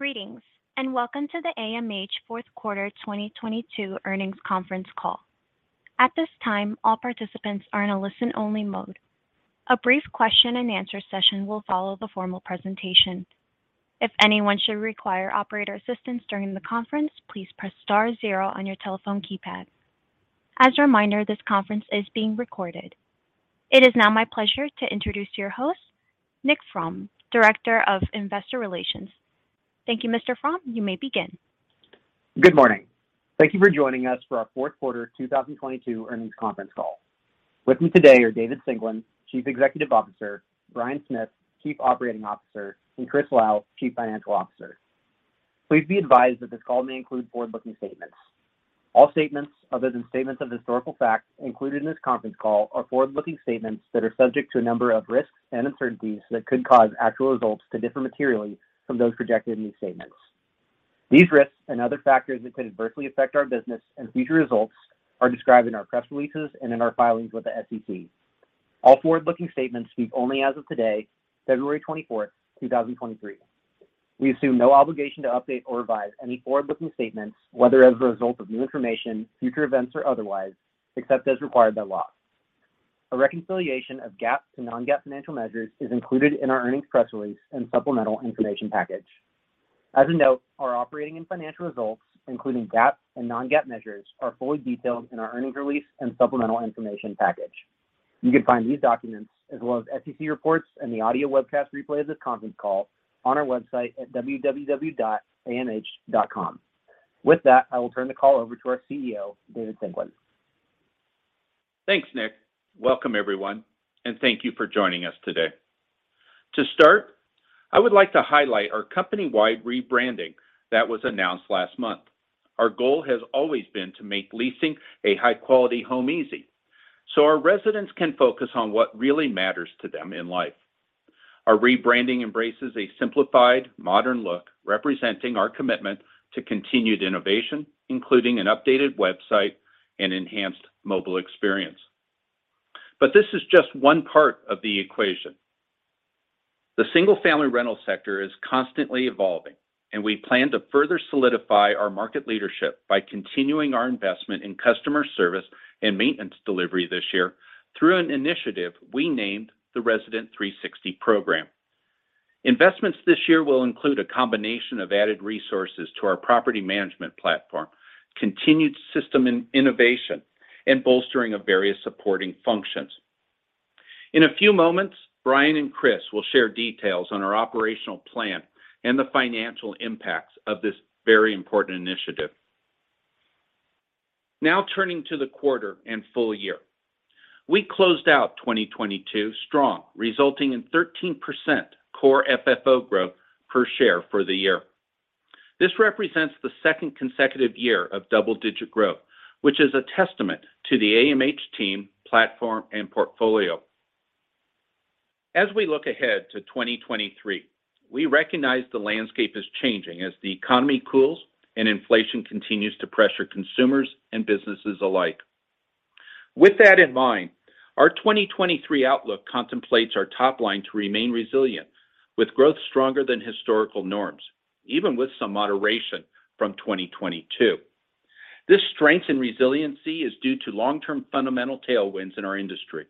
Greetings, and welcome to the AMH 4th Quarter 2022 Earnings Conference Call. At this time, all participants are in a listen-only mode. A brief question and answer session will follow the formal presentation. If anyone should require operator assistance during the conference, please press star 0 on your telephone keypad. As a reminder, this conference is being recorded. It is now my pleasure to introduce your host, Nick Fromm, Director of Investor Relations. Thank you, Mr. Fromm. You may begin. Good morning. Thank you for joining us for our 4th Quarter 2022 Earnings Conference Call. With me today are David Singelyn, Chief Executive Officer, Bryan Smith, Chief Operating Officer, and Chris Lau, Chief Financial Officer. Please be advised that this call may include forward-looking statements. All statements other than statements of historical fact included in this conference call are forward-looking statements that are subject to a number of risks and uncertainties that could cause actual results to differ materially from those projected in these statements. These risks and other factors that could adversely affect our business and future results are described in our press releases and in our filings with the SEC. All forward-looking statements speak only as of today, February 24th, 2023. We assume no obligation to update or revise any forward-looking statements, whether as a result of new information, future events, or otherwise, except as required by law. A reconciliation of GAAP to non-GAAP financial measures is included in our earnings press release and supplemental information package. As a note, our operating and financial results, including GAAP and non-GAAP measures, are fully detailed in our earnings release and supplemental information package. You can find these documents as well as SEC reports and the audio webcast replay of this conference call on our website at www.amh.com. With that, I will turn the call over to our CEO, David Singelyn. Thanks, Nick. Welcome, everyone, and thank you for joining us today. To start, I would like to highlight our company-wide rebranding that was announced last month. Our goal has always been to make leasing a high quality home easy, so our residents can focus on what really matters to them in life. Our rebranding embraces a simplified modern look representing our commitment to continued innovation, including an updated website and enhanced mobile experience. This is just one part of the equation. The single-family rental sector is constantly evolving, and we plan to further solidify our market leadership by continuing our investment in customer service and maintenance delivery this year through an initiative we named the Resident 360 program. Investments this year will include a combination of added resources to our property management platform, continued system in-innovation, and bolstering of various supporting functions. In a few moments, Bryan and Chris will share details on our operational plan and the financial impacts of this very important initiative. Now turning to the quarter and full year. We closed out 2022 strong, resulting in 13% Core FFO growth per share for the year. This represents the second consecutive year of double-digit growth, which is a testament to the AMH team, platform, and portfolio. As we look ahead to 2023, we recognize the landscape is changing as the economy cools and inflation continues to pressure consumers and businesses alike. With that in mind, our 2023 outlook contemplates our top line to remain resilient with growth stronger than historical norms, even with some moderation from 2022. This strength and resiliency is due to long-term fundamental tailwinds in our industry.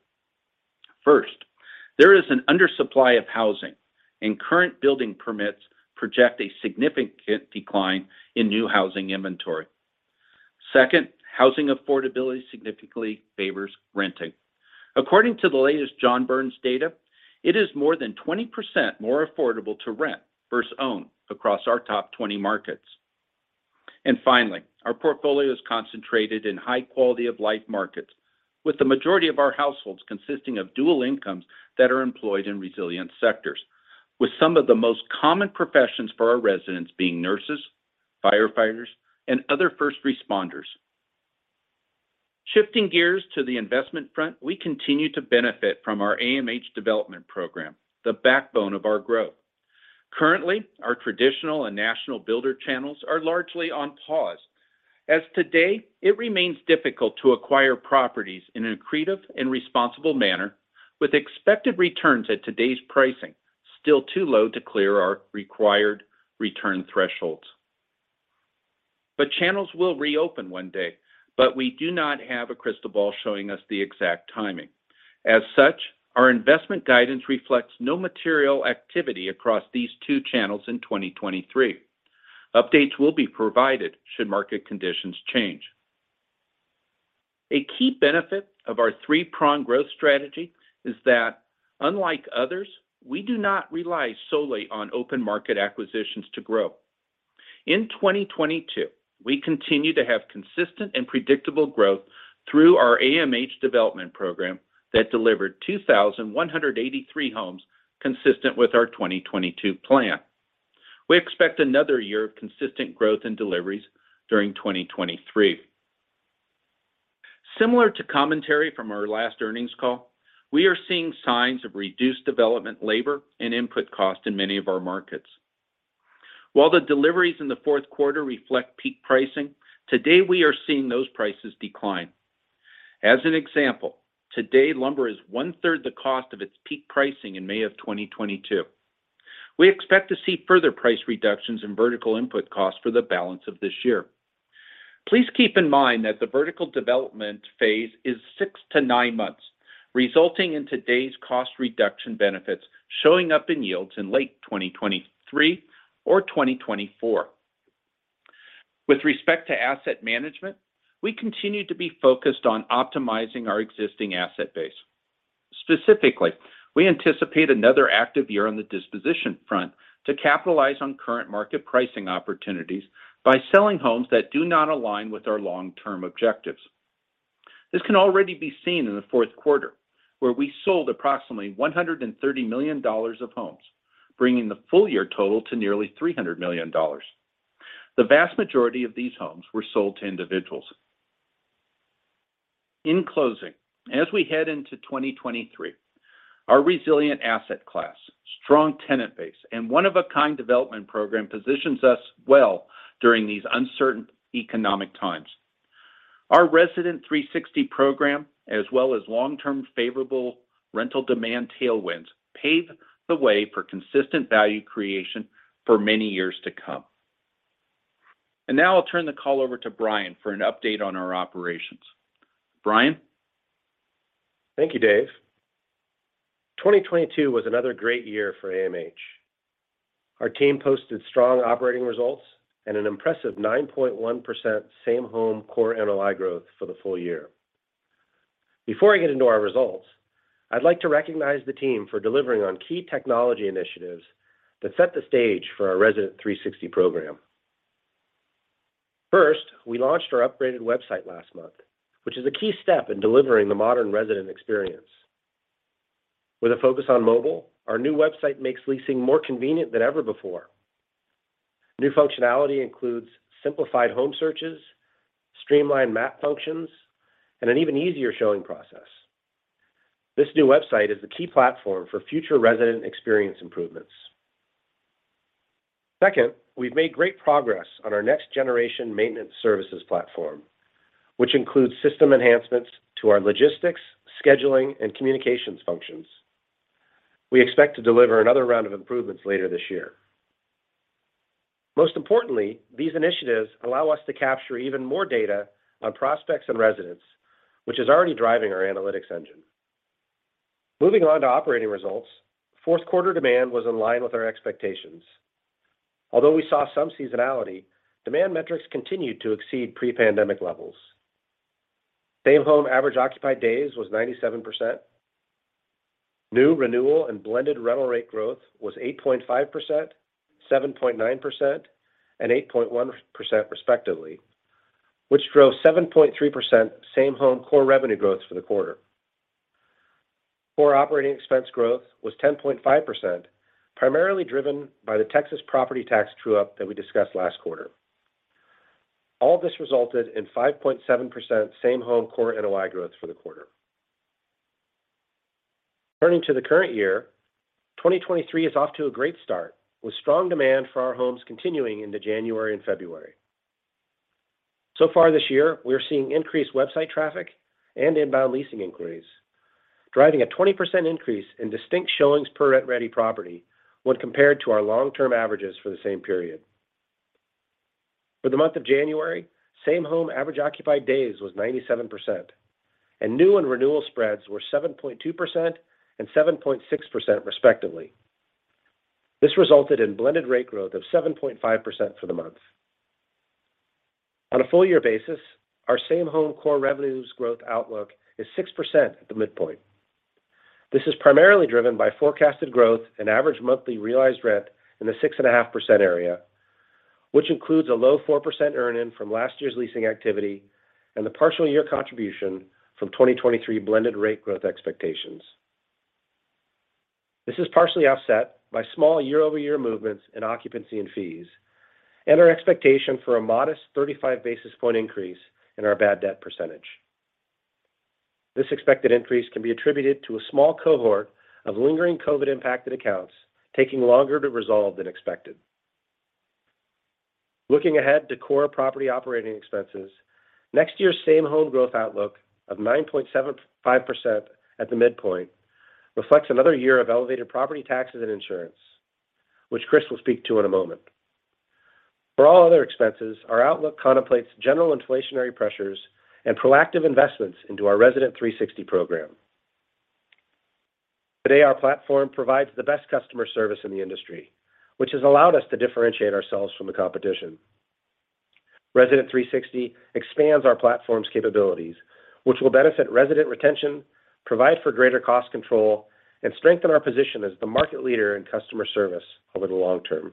First, there is an undersupply of housing, current building permits project a significant decline in new housing inventory. Second, housing affordability significantly favors renting. According to the latest John Burns data, it is more than 20% more affordable to rent versus own across our top 20 markets. Finally, our portfolio is concentrated in high quality of life markets with the majority of our households consisting of dual incomes that are employed in resilient sectors. With some of the most common professions for our residents being nurses, firefighters, and other first responders. Shifting gears to the investment front, we continue to benefit from our AMH Development program, the backbone of our growth. Currently, our traditional and national builder channels are largely on pause. Today, it remains difficult to acquire properties in an accretive and responsible manner with expected returns at today's pricing still too low to clear our required return thresholds. Channels will reopen one day, but we do not have a crystal ball showing us the exact timing. As such, our investment guidance reflects no material activity across these two channels in 2023. Updates will be provided should market conditions change. A key benefit of our three-pronged growth strategy is that unlike others, we do not rely solely on open market acquisitions to grow. In 2022, we continue to have consistent and predictable growth through our AMH Development program that delivered 2,183 homes consistent with our 2022 plan. We expect another year of consistent growth in deliveries during 2023. Similar to commentary from our last earnings call, we are seeing signs of reduced development labor and input cost in many of our markets. While the deliveries in the fourth quarter reflect peak pricing, today we are seeing those prices decline. As an example, today lumber is 1/3 the cost of its peak pricing in May of 2022. We expect to see further price reductions in vertical input costs for the balance of this year. Please keep in mind that the vertical development phase is 6 to 9 months, resulting in today's cost reduction benefits showing up in yields in late 2023 or 2024. With respect to asset management, we continue to be focused on optimizing our existing asset base. Specifically, we anticipate another active year on the disposition front to capitalize on current market pricing opportunities by selling homes that do not align with our long-term objectives. This can already be seen in the fourth quarter, where we sold approximately $130 million of homes, bringing the full year total to nearly $300 million. The vast majority of these homes were sold to individuals. In closing, as we head into 2023, our resilient asset class, strong tenant base, and one-of-a-kind development program positions us well during these uncertain economic times. Our Resident 360 program, as well as long-term favorable rental demand tailwinds, pave the way for consistent value creation for many years to come. Now I'll turn the call over to Bryan for an update on our operations. Bryan? Thank you, Dave. 2022 was another great year for AMH. Our team posted strong operating results and an impressive 9.1% Same-Home Core NOI growth for the full year. Before I get into our results, I'd like to recognize the team for delivering on key technology initiatives that set the stage for our Resident 360 program. First, we launched our upgraded website last month, which is a key step in delivering the modern resident experience. With a focus on mobile, our new website makes leasing more convenient than ever before. New functionality includes simplified home searches, streamlined map functions, and an even easier showing process. This new website is the key platform for future resident experience improvements. Second, we've made great progress on our next generation maintenance services platform, which includes system enhancements to our logistics, scheduling, and communications functions. We expect to deliver another round of improvements later this year. Most importantly, these initiatives allow us to capture even more data on prospects and residents, which is already driving our analytics engine. Moving on to operating results, fourth quarter demand was in line with our expectations. Although we saw some seasonality, demand metrics continued to exceed pre-pandemic levels. Same-Home average occupied days was 97%. New renewal and blended rental rate growth was 8.5%, 7.9%, and 8.1% respectively, which drove 7.3% Same-Home Core revenue growth for the quarter. Core operating expense growth was 10.5%, primarily driven by the Texas property tax true-up that we discussed last quarter. All this resulted in 5.7% Same-Home Core NOI growth for the quarter. Turning to the current year, 2023 is off to a great start, with strong demand for our homes continuing into January and February. Far this year, we are seeing increased website traffic and inbound leasing inquiries, driving a 20% increase in distinct showings per rent-ready property when compared to our long-term averages for the same period. For the month of January, Same-Home average occupied days was 97%, and new and renewal spreads were 7.2% and 7.6% respectively. This resulted in blended rate growth of 7.5% for the month. On a full year basis, our Same-Home core revenues growth outlook is 6% at the midpoint. This is primarily driven by forecasted growth and average monthly realized rent in the 6.5% area, which includes a low 4% earn-in from last year's leasing activity and the partial year contribution from 2023 blended rate growth expectations. This is partially offset by small year-over-year movements in occupancy and fees, and our expectation for a modest 35 basis point increase in our bad debt %. This expected increase can be attributed to a small cohort of lingering COVID-impacted accounts taking longer to resolve than expected. Looking ahead to Core property operating expenses, next year's Same-Home growth outlook of 9.75% at the midpoint reflects another year of elevated property taxes and insurance, which Chris will speak to in a moment. For all other expenses, our outlook contemplates general inflationary pressures and proactive investments into our Resident 360 program. Today, our platform provides the best customer service in the industry, which has allowed us to differentiate ourselves from the competition. Resident 360 expands our platform's capabilities, which will benefit resident retention, provide for greater cost control, and strengthen our position as the market leader in customer service over the long term.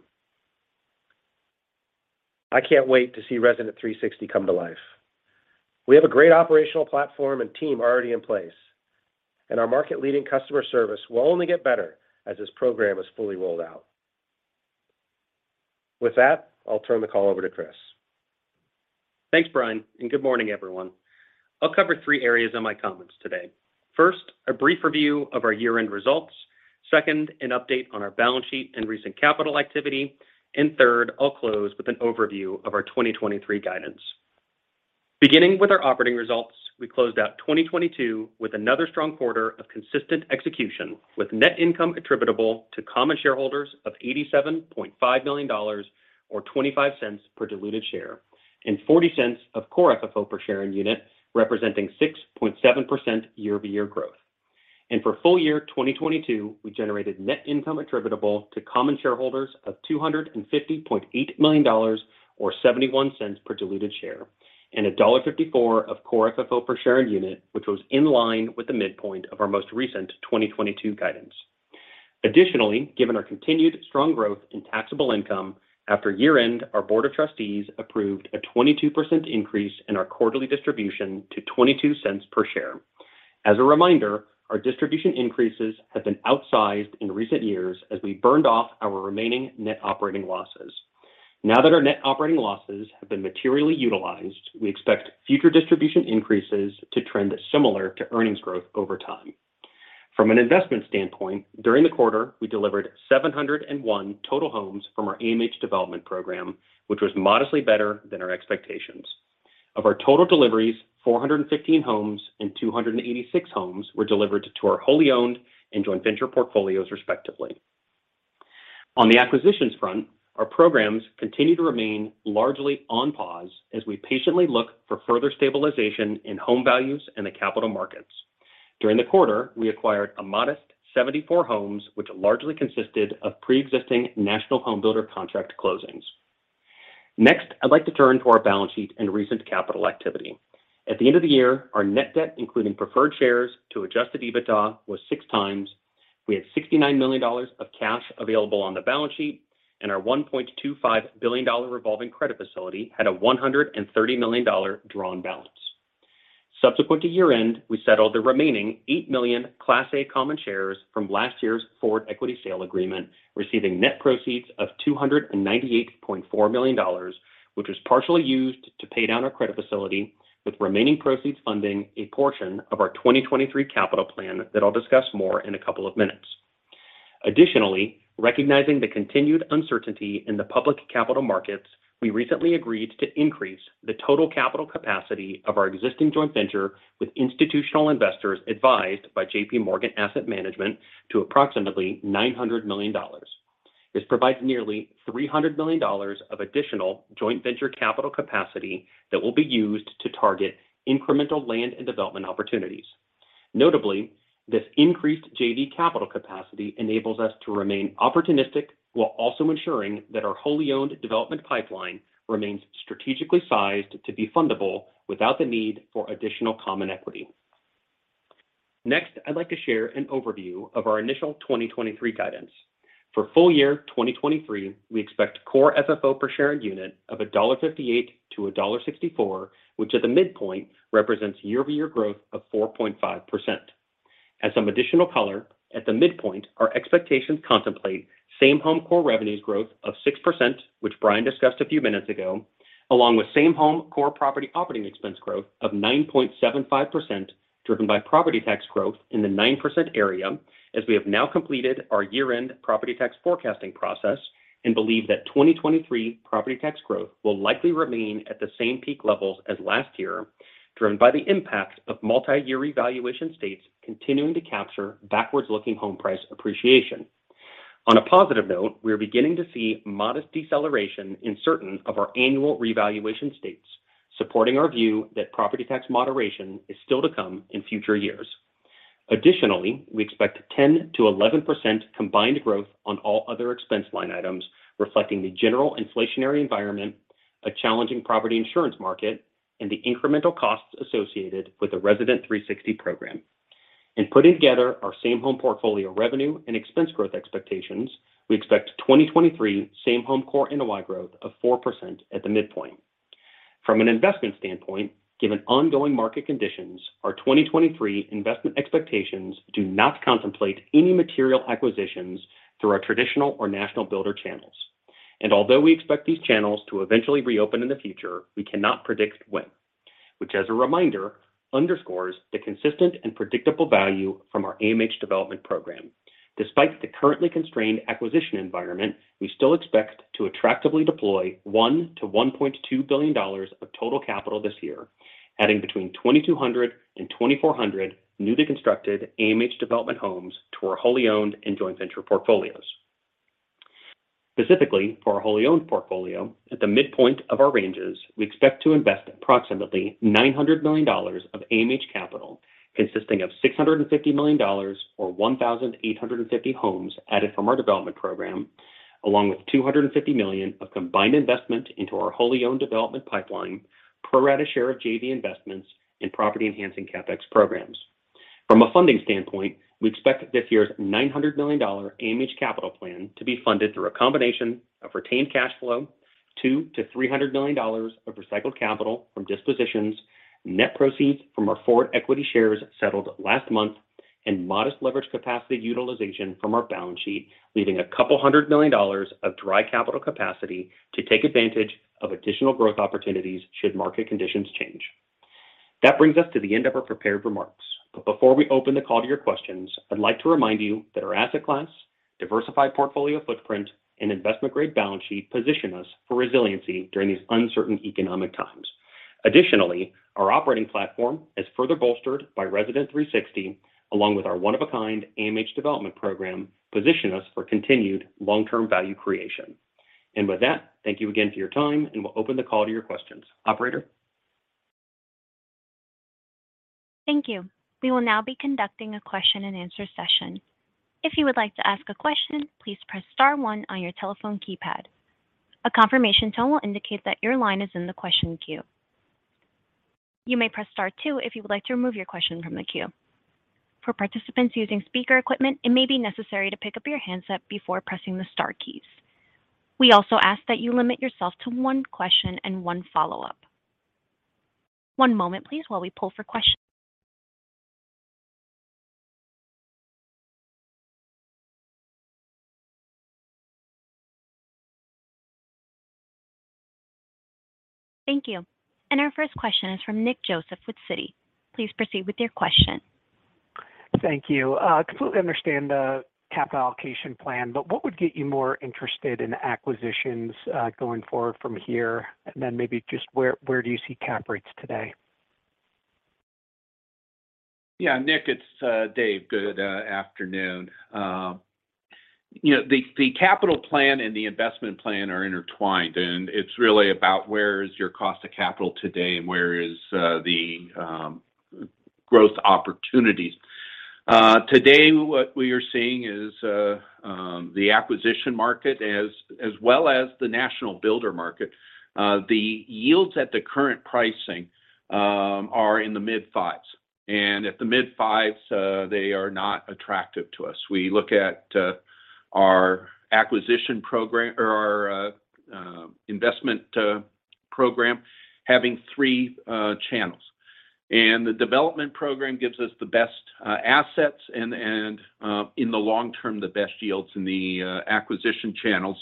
I can't wait to see Resident 360 come to life. We have a great operational platform and team already in place, and our market-leading customer service will only get better as this program is fully rolled out. With that, I'll turn the call over to Chris. Thanks, Brian, and good morning, everyone. I'll cover three areas in my comments today. First, a brief review of our year-end results. Second, an update on our balance sheet and recent capital activity. Third, I'll close with an overview of our 2023 guidance. Beginning with our operating results, we closed out 2022 with another strong quarter of consistent execution, with net income attributable to common shareholders of $87.5 million or $0.25 per diluted share and $0.40 of Core FFO per share and unit, representing 6.7% year-over-year growth. For full year 2022, we generated net income attributable to common shareholders of $250.8 million or $0.71 per diluted share, and $1.54 of Core FFO per share and unit, which was in line with the midpoint of our most recent 2022 guidance. Additionally, given our continued strong growth in taxable income, after year-end, our board of trustees approved a 22% increase in our quarterly distribution to $0.22 per share. As a reminder, our distribution increases have been outsized in recent years as we burned off our remaining net operating losses. Now that our net operating losses have been materially utilized, we expect future distribution increases to trend similar to earnings growth over time. From an investment standpoint, during the quarter, we delivered 701 total homes from our AMH Development program, which was modestly better than our expectations. Of our total deliveries, 415 homes and 286 homes were delivered to our wholly owned and joint venture portfolios, respectively. On the acquisitions front, our programs continue to remain largely on pause as we patiently look for further stabilization in home values and the capital markets. During the quarter, we acquired a modest 74 homes, which largely consisted of pre-existing national home builder contract closings. Next, I'd like to turn to our balance sheet and recent capital activity. At the end of the year, our net debt, including preferred shares to adjusted EBITDA, was 6 times. We had $69 million of cash available on the balance sheet, and our $1.25 billion revolving credit facility had a $130 million drawn balance. Subsequent to year-end, we settled the remaining 8 million Class A common shares from last year's forward equity sale agreement, receiving net proceeds of $298.4 million, which was partially used to pay down our credit facility with remaining proceeds funding a portion of our 2023 capital plan that I'll discuss more in a couple of minutes. Additionally, recognizing the continued uncertainty in the public capital markets, we recently agreed to increase the total capital capacity of our existing joint venture with institutional investors advised by J.P. Morgan Asset Management to approximately $900 million. This provides nearly $300 million of additional joint venture capital capacity that will be used to target incremental land and development opportunities. Notably, this increased JV capital capacity enables us to remain opportunistic while also ensuring that our wholly-owned development pipeline remains strategically sized to be fundable without the need for additional common equity. Next, I'd like to share an overview of our initial 2023 guidance. For full year 2023, we expect Core FFO per share and unit of $1.58-$1.64, which at the midpoint represents year-over-year growth of 4.5%. As some additional color, at the midpoint, our expectations contemplate Same-Home core revenues growth of 6%, which Bryan discussed a few minutes ago, along with Same-Home core property operating expense growth of 9.75%, driven by property tax growth in the 9% area as we have now completed our year-end property tax forecasting process and believe that 2023 property tax growth will likely remain at the same peak levels as last year, driven by the impact of multi-year evaluation states continuing to capture backwards-looking home price appreciation. On a positive note, we are beginning to see modest deceleration in certain of our annual revaluation states, supporting our view that property tax moderation is still to come in future years. Additionally, we expect 10%-11% combined growth on all other expense line items, reflecting the general inflationary environment, a challenging property insurance market, and the incremental costs associated with the Resident 360 program. In putting together our Same-Home portfolio revenue and expense growth expectations, we expect 2023 Same-Home Core NOI growth of 4% at the midpoint. Although we expect these channels to eventually reopen in the future, we cannot predict when, which as a reminder, underscores the consistent and predictable value from our AMH Development program. Despite the currently constrained acquisition environment, we still expect to attractively deploy $1 billion-$1.2 billion of total capital this year, adding between 2,200-2,400 newly constructed AMH Development homes to our wholly owned and joint venture portfolios. Specifically for our wholly owned portfolio, at the midpoint of our ranges, we expect to invest approximately $900 million of AMH capital, consisting of $650 million or 1,850 homes added from our Development program, along with $250 million of combined investment into our wholly owned development pipeline, pro rata share of JV investments and property-enhancing CapEx programs. From a funding standpoint, we expect this year's $900 million AMH capital plan to be funded through a combination of retained cash flow, $200 million-$300 million of recycled capital from dispositions, net proceeds from our forward equity shares settled last month, and modest leverage capacity utilization from our balance sheet, leaving $200 million of dry capital capacity to take advantage of additional growth opportunities should market conditions change. That brings us to the end of our prepared remarks. Before we open the call to your questions, I'd like to remind you that our asset class, diversified portfolio footprint, and investment-grade balance sheet position us for resiliency during these uncertain economic times. Additionally, our operating platform is further bolstered by Resident 360, along with our one-of-a-kind AMH Development program, position us for continued long-term value creation. With that, thank you again for your time, and we'll open the call to your questions. Operator? Thank you. We will now be conducting a question and answer session. If you would like to ask a question, please press star one on your telephone keypad. A confirmation tone will indicate that your line is in the question queue. You may press star two if you would like to remove your question from the queue. For participants using speaker equipment, it may be necessary to pick up your handset before pressing the star keys. We also ask that you limit yourself to one question and one follow-up. One moment, please, while we pull for questions. Thank you. Our first question is from Nick Joseph with Citi. Please proceed with your question. Thank you. Completely understand the capital allocation plan, but what would get you more interested in acquisitions going forward from here? Maybe just where do you see cap rates today? Yeah, Nick, it's Dave. Good afternoon. You know, the capital plan and the investment plan are intertwined, it's really about where is your cost of capital today and where is the growth opportunities. Today what we are seeing is the acquisition market as well as the national builder market, the yields at the current pricing are in the mid-fives. At the mid-fives, they are not attractive to us. We look at our acquisition program or our investment program having three channels. The Development program gives us the best assets and in the long term, the best yields in the acquisition channels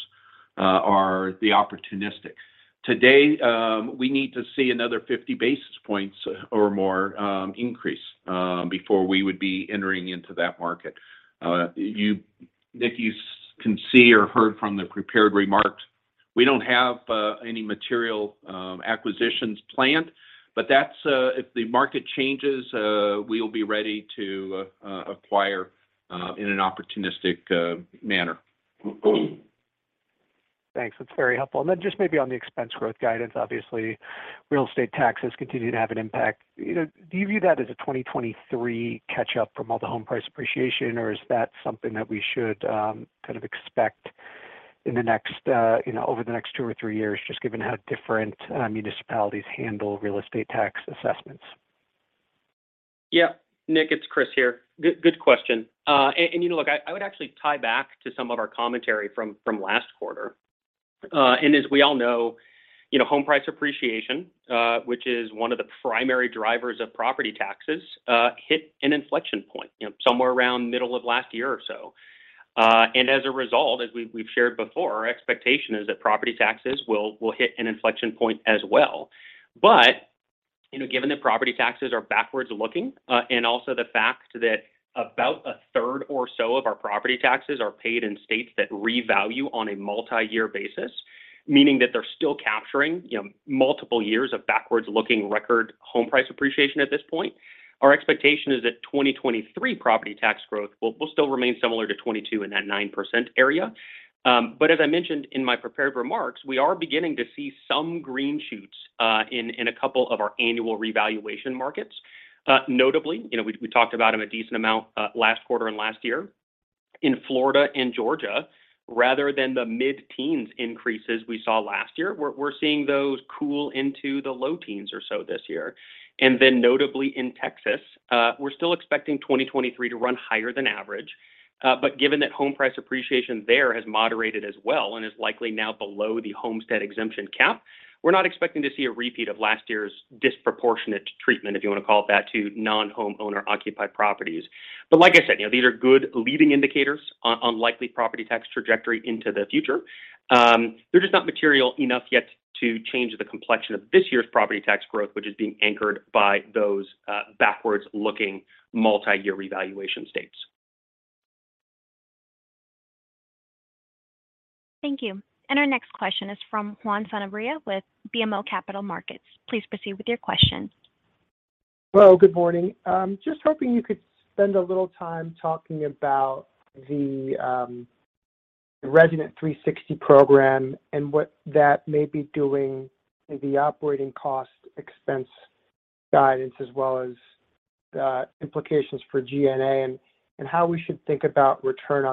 are the opportunistic. Today, we need to see another 50 basis points or more increase before we would be entering into that market. Nick, you can see or heard from the prepared remarks, we don't have any material acquisitions planned, but that's if the market changes, we'll be ready to acquire in an opportunistic manner. Thanks. That's very helpful. Just maybe on the expense growth guidance, obviously, real estate taxes continue to have an impact. You know, do you view that as a 2023 catch up from all the home price appreciation, or is that something that we should kind of expect in the next, you know, over the next two or three years, just given how different municipalities handle real estate tax assessments? Yeah. Nick, it's Chris here. Good question. You know, look, I would actually tie back to some of our commentary from last quarter. As we all know, you know, home price appreciation, which is one of the primary drivers of property taxes, hit an inflection point, you know, somewhere around middle of last year or so. As a result, as we've shared before, our expectation is that property taxes will hit an inflection point as well. You know, given that property taxes are backwards-looking, and also the fact that about a third or so of our property taxes are paid in states that revalue on a multi-year basis, meaning that they're still capturing, you know, multiple years of backwards-looking record home price appreciation at this point, our expectation is that 2023 property tax growth will still remain similar to 22 in that 9% area. As I mentioned in my prepared remarks, we are beginning to see some green shoots in a couple of our annual revaluation markets. Notably, you know, we talked about them a decent amount last quarter and last year. In Florida and Georgia, rather than the mid-teens increases we saw last year, we're seeing those cool into the low teens or so this year. Notably in Texas, we're still expecting 2023 to run higher than average. Given that home price appreciation there has moderated as well and is likely now below the homestead exemption cap, we're not expecting to see a repeat of last year's disproportionate treatment, if you wanna call it that, to non-home owner occupied properties. Like I said, you know, these are good leading indicators on likely property tax trajectory into the future. They're just not material enough yet to change the complexion of this year's property tax growth, which is being anchored by those backwards-looking multi-year revaluation states. Thank you. Our next question is from Juan Sanabria with BMO Capital Markets. Please proceed with your question. Well, good morning. Just hoping you could spend a little time talking about the Resident 360 program and what that may be doing in the operating cost expense guidance as well as the implications for G&A and how we should think about return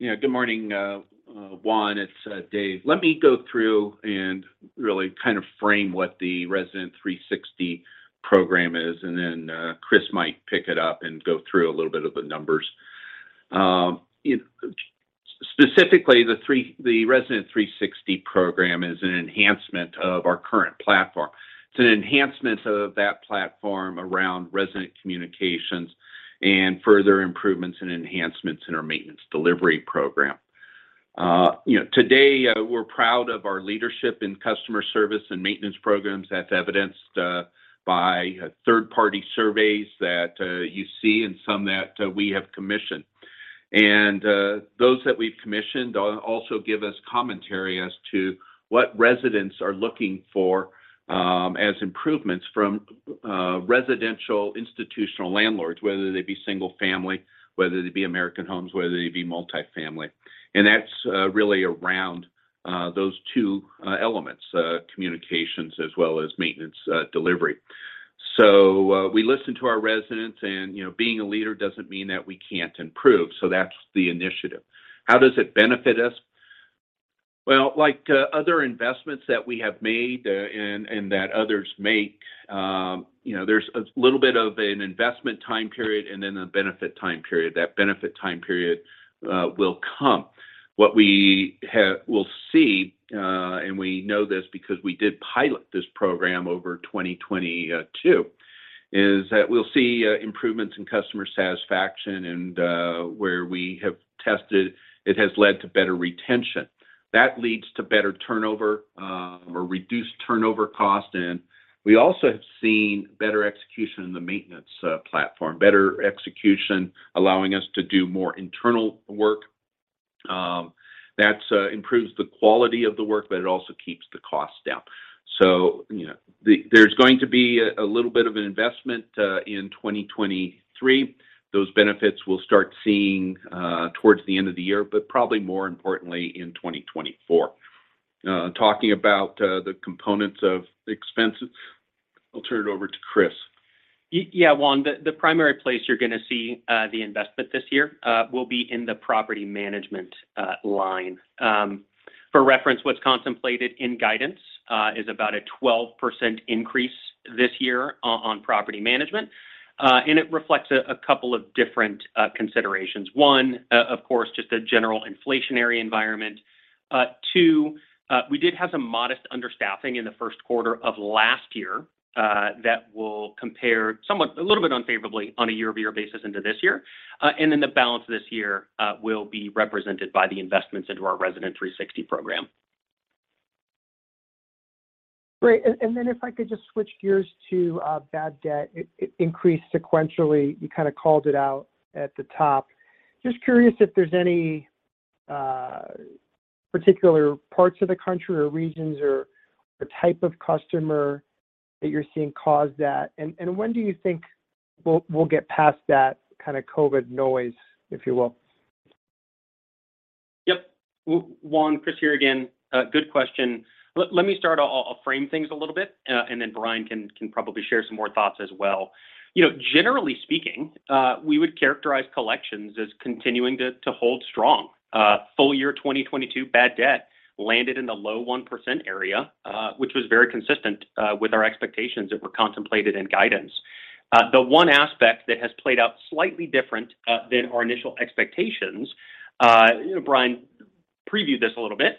on those investments going forward. Good morning, Juan. It's Dave. Let me go through and really kind of frame what the Resident 360 program is, and then Chris might pick it up and go through a little bit of the numbers. You know, specifically, the Resident 360 program is an enhancement of our current platform. It's an enhancement of that platform around resident communications and further improvements and enhancements in our maintenance delivery program. you know, today, we're proud of our leadership in customer service and maintenance programs. That's evidenced by third-party surveys that you see and some that we have commissioned. Those that we've commissioned also give us commentary as to what residents are looking for as improvements from residential institutional landlords, whether they be single-family, whether they be American Homes, whether they be multifamily. That's really around those two elements, communications as well as maintenance delivery. We listen to our residents, and, you know, being a leader doesn't mean that we can't improve, so that's the initiative. How does it benefit us? Well, like, other investments that we have made, and that others make, you know, there's a little bit of an investment time period and then a benefit time period. That benefit time period will come. What we will see, and we know this because we did pilot this program over 2022, is that we'll see improvements in customer satisfaction, and where we have tested, it has led to better retention. That leads to better turnover, or reduced turnover cost. We also have seen better execution in the maintenance platform. Better execution, allowing us to do more internal work. That's improves the quality of the work, it also keeps the cost down. You know, there's going to be a little bit of an investment in 2023. Those benefits we'll start seeing, towards the end of the year, but probably more importantly in 2024. Talking about, the components of expenses, I'll turn it over to Chris. Yeah, Juan. The primary place you're gonna see the investment this year will be in the property management line. For reference, what's contemplated in guidance is about a 12% increase this year on property management. It reflects a couple of different considerations. One, of course, just a general inflationary environment. Two, we did have some modest understaffing in the first quarter of last year, that will compare somewhat, a little bit unfavorably on a year-over-year basis into this year. The balance of this year will be represented by the investments into our Resident 360 program. Great. If I could just switch gears to bad debt. It increased sequentially. You kind of called it out at the top. Just curious if there's any particular parts of the country or regions or a type of customer that you're seeing cause that. When do you think we'll get past that kind of COVID noise, if you will? Yep. Juan, Chris here again. Good question. Let me start. I'll frame things a little bit, and then Bryan can probably share some more thoughts as well. You know, generally speaking, we would characterize collections as continuing to hold strong. Full year 2022 bad debt landed in the low 1% area, which was very consistent with our expectations that were contemplated in guidance. The one aspect that has played out slightly different than our initial expectations, Bryan previewed this a little bit.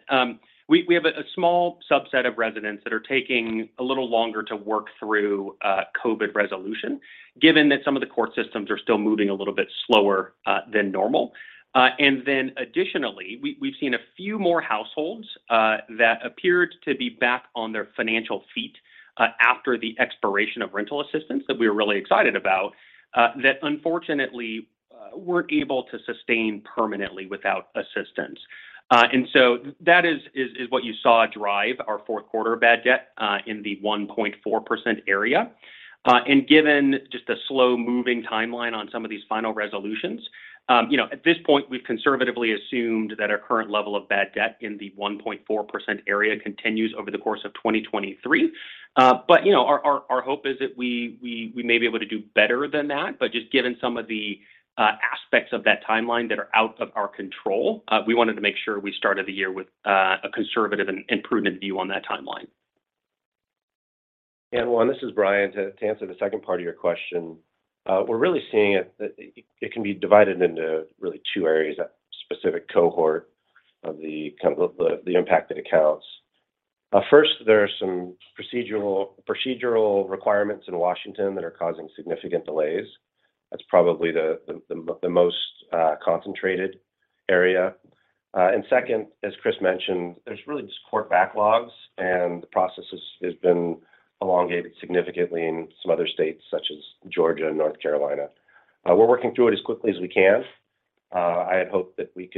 We have a small subset of residents that are taking a little longer to work through COVID resolution, given that some of the court systems are still moving a little bit slower than normal. Additionally, we've seen a few more households that appeared to be back on their financial feet after the expiration of rental assistance that we were really excited about, that unfortunately, weren't able to sustain permanently without assistance. That is what you saw drive our fourth quarter bad debt in the 1.4% area. Given just the slow moving timeline on some of these final resolutions, you know, at this point, we've conservatively assumed that our current level of bad debt in the 1.4% area continues over the course of 2023. You know, our hope is that we may be able to do better than that. Just given some of the aspects of that timeline that are out of our control, we wanted to make sure we started the year with a conservative and prudent view on that timeline. Juan, this is Bryan. To answer the second part of your question, we're really seeing it can be divided into really two areas, a specific cohort of the kind of the impacted accounts. First, there are some procedural requirements in Washington that are causing significant delays. That's probably the most concentrated area. Second, as Chris mentioned, there's really just court backlogs, and the process has been elongated significantly in some other states, such as Georgia and North Carolina. We're working through it as quickly as we can. I had hoped that we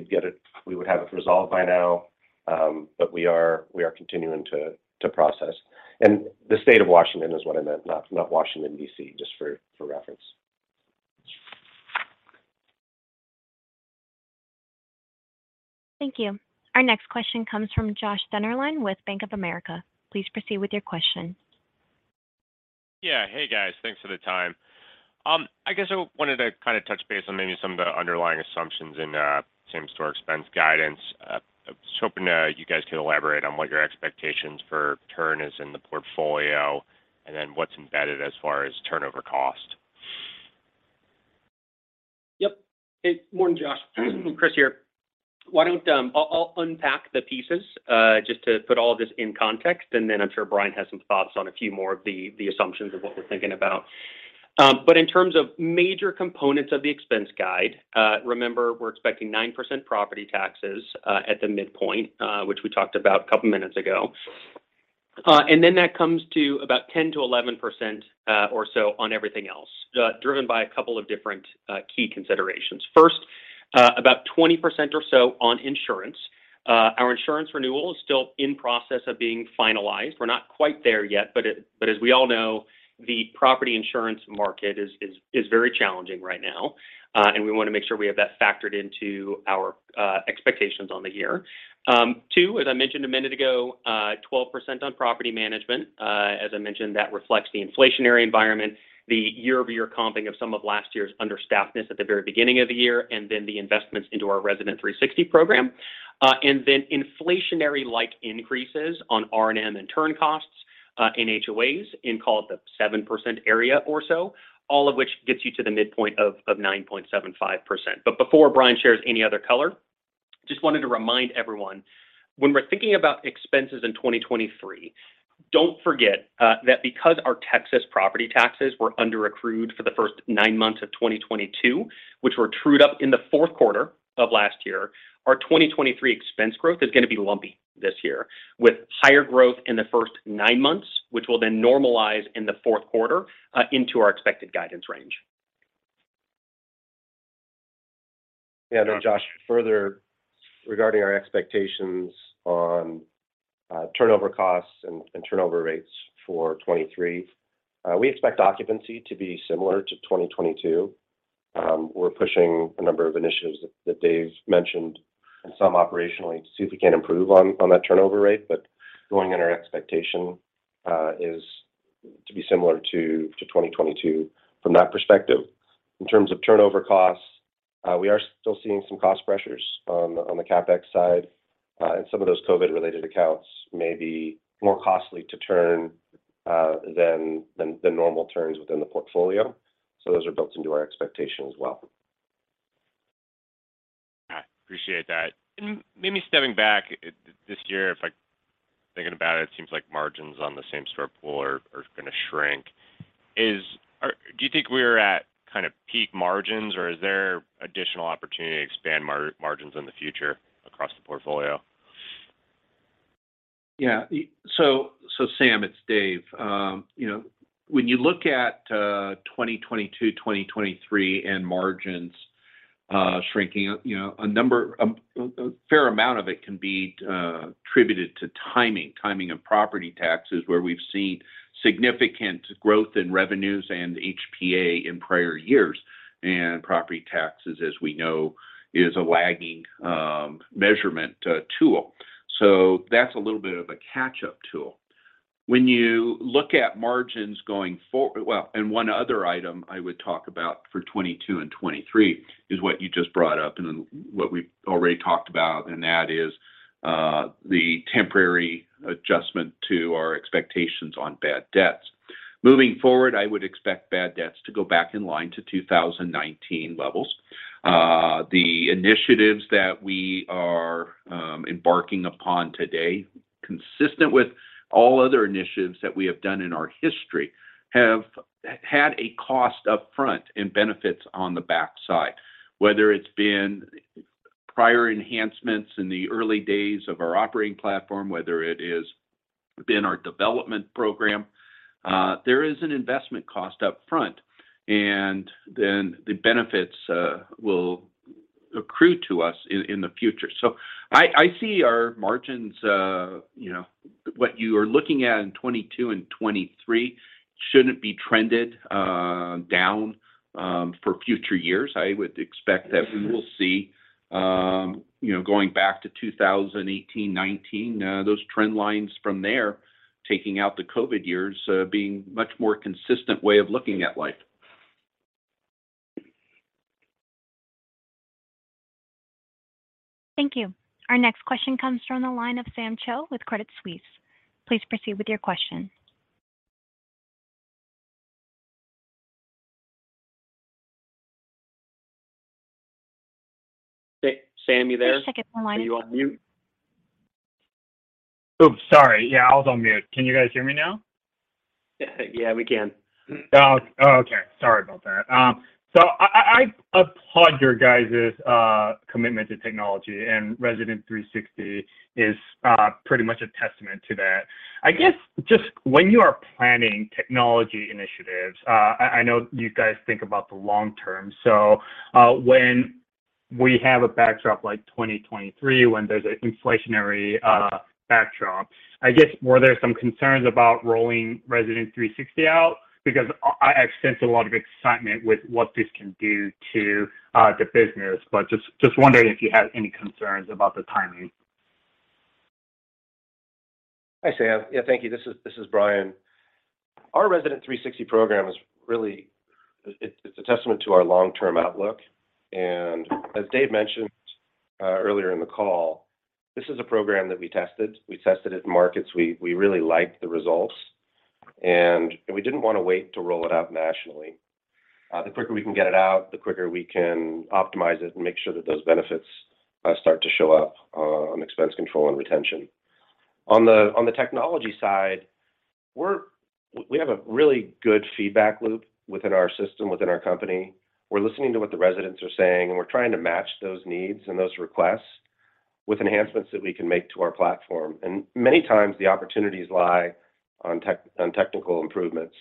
would have it resolved by now. We are continuing to process. The state of Washington is what I meant, not Washington, D.C., just for reference. Thank you. Our next question comes from Josh Dennerlein with Bank of America. Please proceed with your question. Yeah. Hey, guys. Thanks for the time. I guess I wanted to kind of touch base on maybe some of the underlying assumptions in Same-Home expense guidance. I was hoping you guys could elaborate on what your expectations for turn is in the portfolio, and then what's embedded as far as turnover cost. Yep. Hey, morning, Josh. Chris here. Why don't I'll unpack the pieces just to put all of this in context, and then I'm sure Bryan has some thoughts on a few more of the assumptions of what we're thinking about. In terms of major components of the expense guide, remember we're expecting 9% property taxes at the midpoint, which we talked about a couple minutes ago. That comes to about 10%-11% or so on everything else, driven by a couple of different key considerations. First, about 20% or so on insurance. Our insurance renewal is still in process of being finalized. We're not quite there yet, but as we all know, the property insurance market is very challenging right now. We wanna make sure we have that factored into our expectations on the year. Two, as I mentioned a minute ago, 12% on property management. As I mentioned, that reflects the inflationary environment, the year-over-year comping of some of last year's understaffed-ness at the very beginning of the year, and then the investments into our Resident 360 program. Then inflationary-like increases on R&M and turn costs, in HOAs in call it the 7% area or so, all of which gets you to the midpoint of 9.75%. Before Bryan shares any other color, just wanted to remind everyone, when we're thinking about expenses in 2023, don't forget that because our Texas property taxes were under-accrued for the first nine months of 2022, which were trued up in the fourth quarter of last year, our 2023 expense growth is gonna be lumpy this year, with higher growth in the first nine months, which will then normalize in the fourth quarter into our expected guidance range. Josh, further regarding our expectations on turnover costs and turnover rates for 2023. We expect occupancy to be similar to 2022. We're pushing a number of initiatives that Dave mentioned and some operationally to see if we can improve on that turnover rate. Going in our expectation, is to be similar to 2022 from that perspective. In terms of turnover costs, we are still seeing some cost pressures on the CapEx side. Some of those COVID related accounts may be more costly to turn than normal turns within the portfolio. Those are built into our expectation as well. Yeah, appreciate that. Maybe stepping back this year, if like thinking about it seems like margins on the same store pool are gonna shrink. Do you think we're at kind of peak margins or is there additional opportunity to expand margins in the future across the portfolio? So, Sam, it's Dave. You know, when you look at 2022, 2023 and margins shrinking, you know, a fair amount of it can be attributed to timing. Timing of property taxes, where we've seen significant growth in revenues and HPA in prior years. Property taxes, as we know, is a lagging measurement tool. That's a little bit of a catch-up tool. When you look at margins going for... One other item I would talk about for 2022 and 2023 is what you just brought up and what we've already talked about, and that is, the temporary adjustment to our expectations on bad debts. Moving forward, I would expect bad debts to go back in line to 2019 levels. The initiatives that we are embarking upon today, consistent with all other initiatives that we have done in our history, have had a cost up front and benefits on the back side. Whether it's been prior enhancements in the early days of our operating platform, whether it has been our development program, there is an investment cost up front, and then the benefits will accrue to us in the future. I see our margins, you know, what you are looking at in 22 and 23 shouldn't be trended down for future years. I would expect that we will see, you know, going back to 2018, 2019, those trend lines from there, taking out the COVID years, being much more consistent way of looking at life. Thank you. Our next question comes from the line of Sam Choe with Credit Suisse. Please proceed with your question. Sam, are you there? Please check if your line is? Are you on mute? Oops, sorry. Yeah, I was on mute. Can you guys hear me now? Yeah, we can. Oh, okay. Sorry about that. I, I applaud your guys' commitment to technology, and Resident 360 is pretty much a testament to that. I guess just when you are planning technology initiatives, I know you guys think about the long term, so, when we have a backdrop like 2023, when there's an inflationary backdrop. I guess, were there some concerns about rolling Resident 360 out? Because I sense a lot of excitement with what this can do to the business, but just wondering if you had any concerns about the timing. Hi, Sam. Yeah, thank you. This is Bryan. Our Resident 360 program is really. It's a testament to our long-term outlook. As Dave mentioned earlier in the call, this is a program that we tested. We tested it in markets. We really liked the results. We didn't want to wait to roll it out nationally. The quicker we can get it out, the quicker we can optimize it and make sure that those benefits start to show up on expense control and retention. On the technology side, we have a really good feedback loop within our system, within our company. We're listening to what the residents are saying, and we're trying to match those needs and those requests with enhancements that we can make to our platform. Many times the opportunities lie on technical improvements.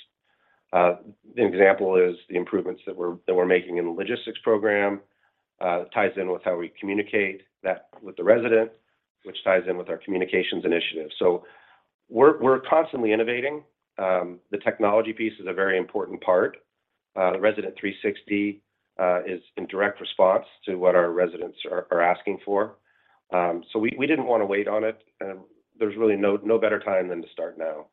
An example is the improvements that we're making in the logistics program, ties in with how we communicate that with the resident, which ties in with our communications initiative. We're constantly innovating. The technology piece is a very important part. The Resident 360 is in direct response to what our residents are asking for. We didn't want to wait on it. There's really no better time than to start now.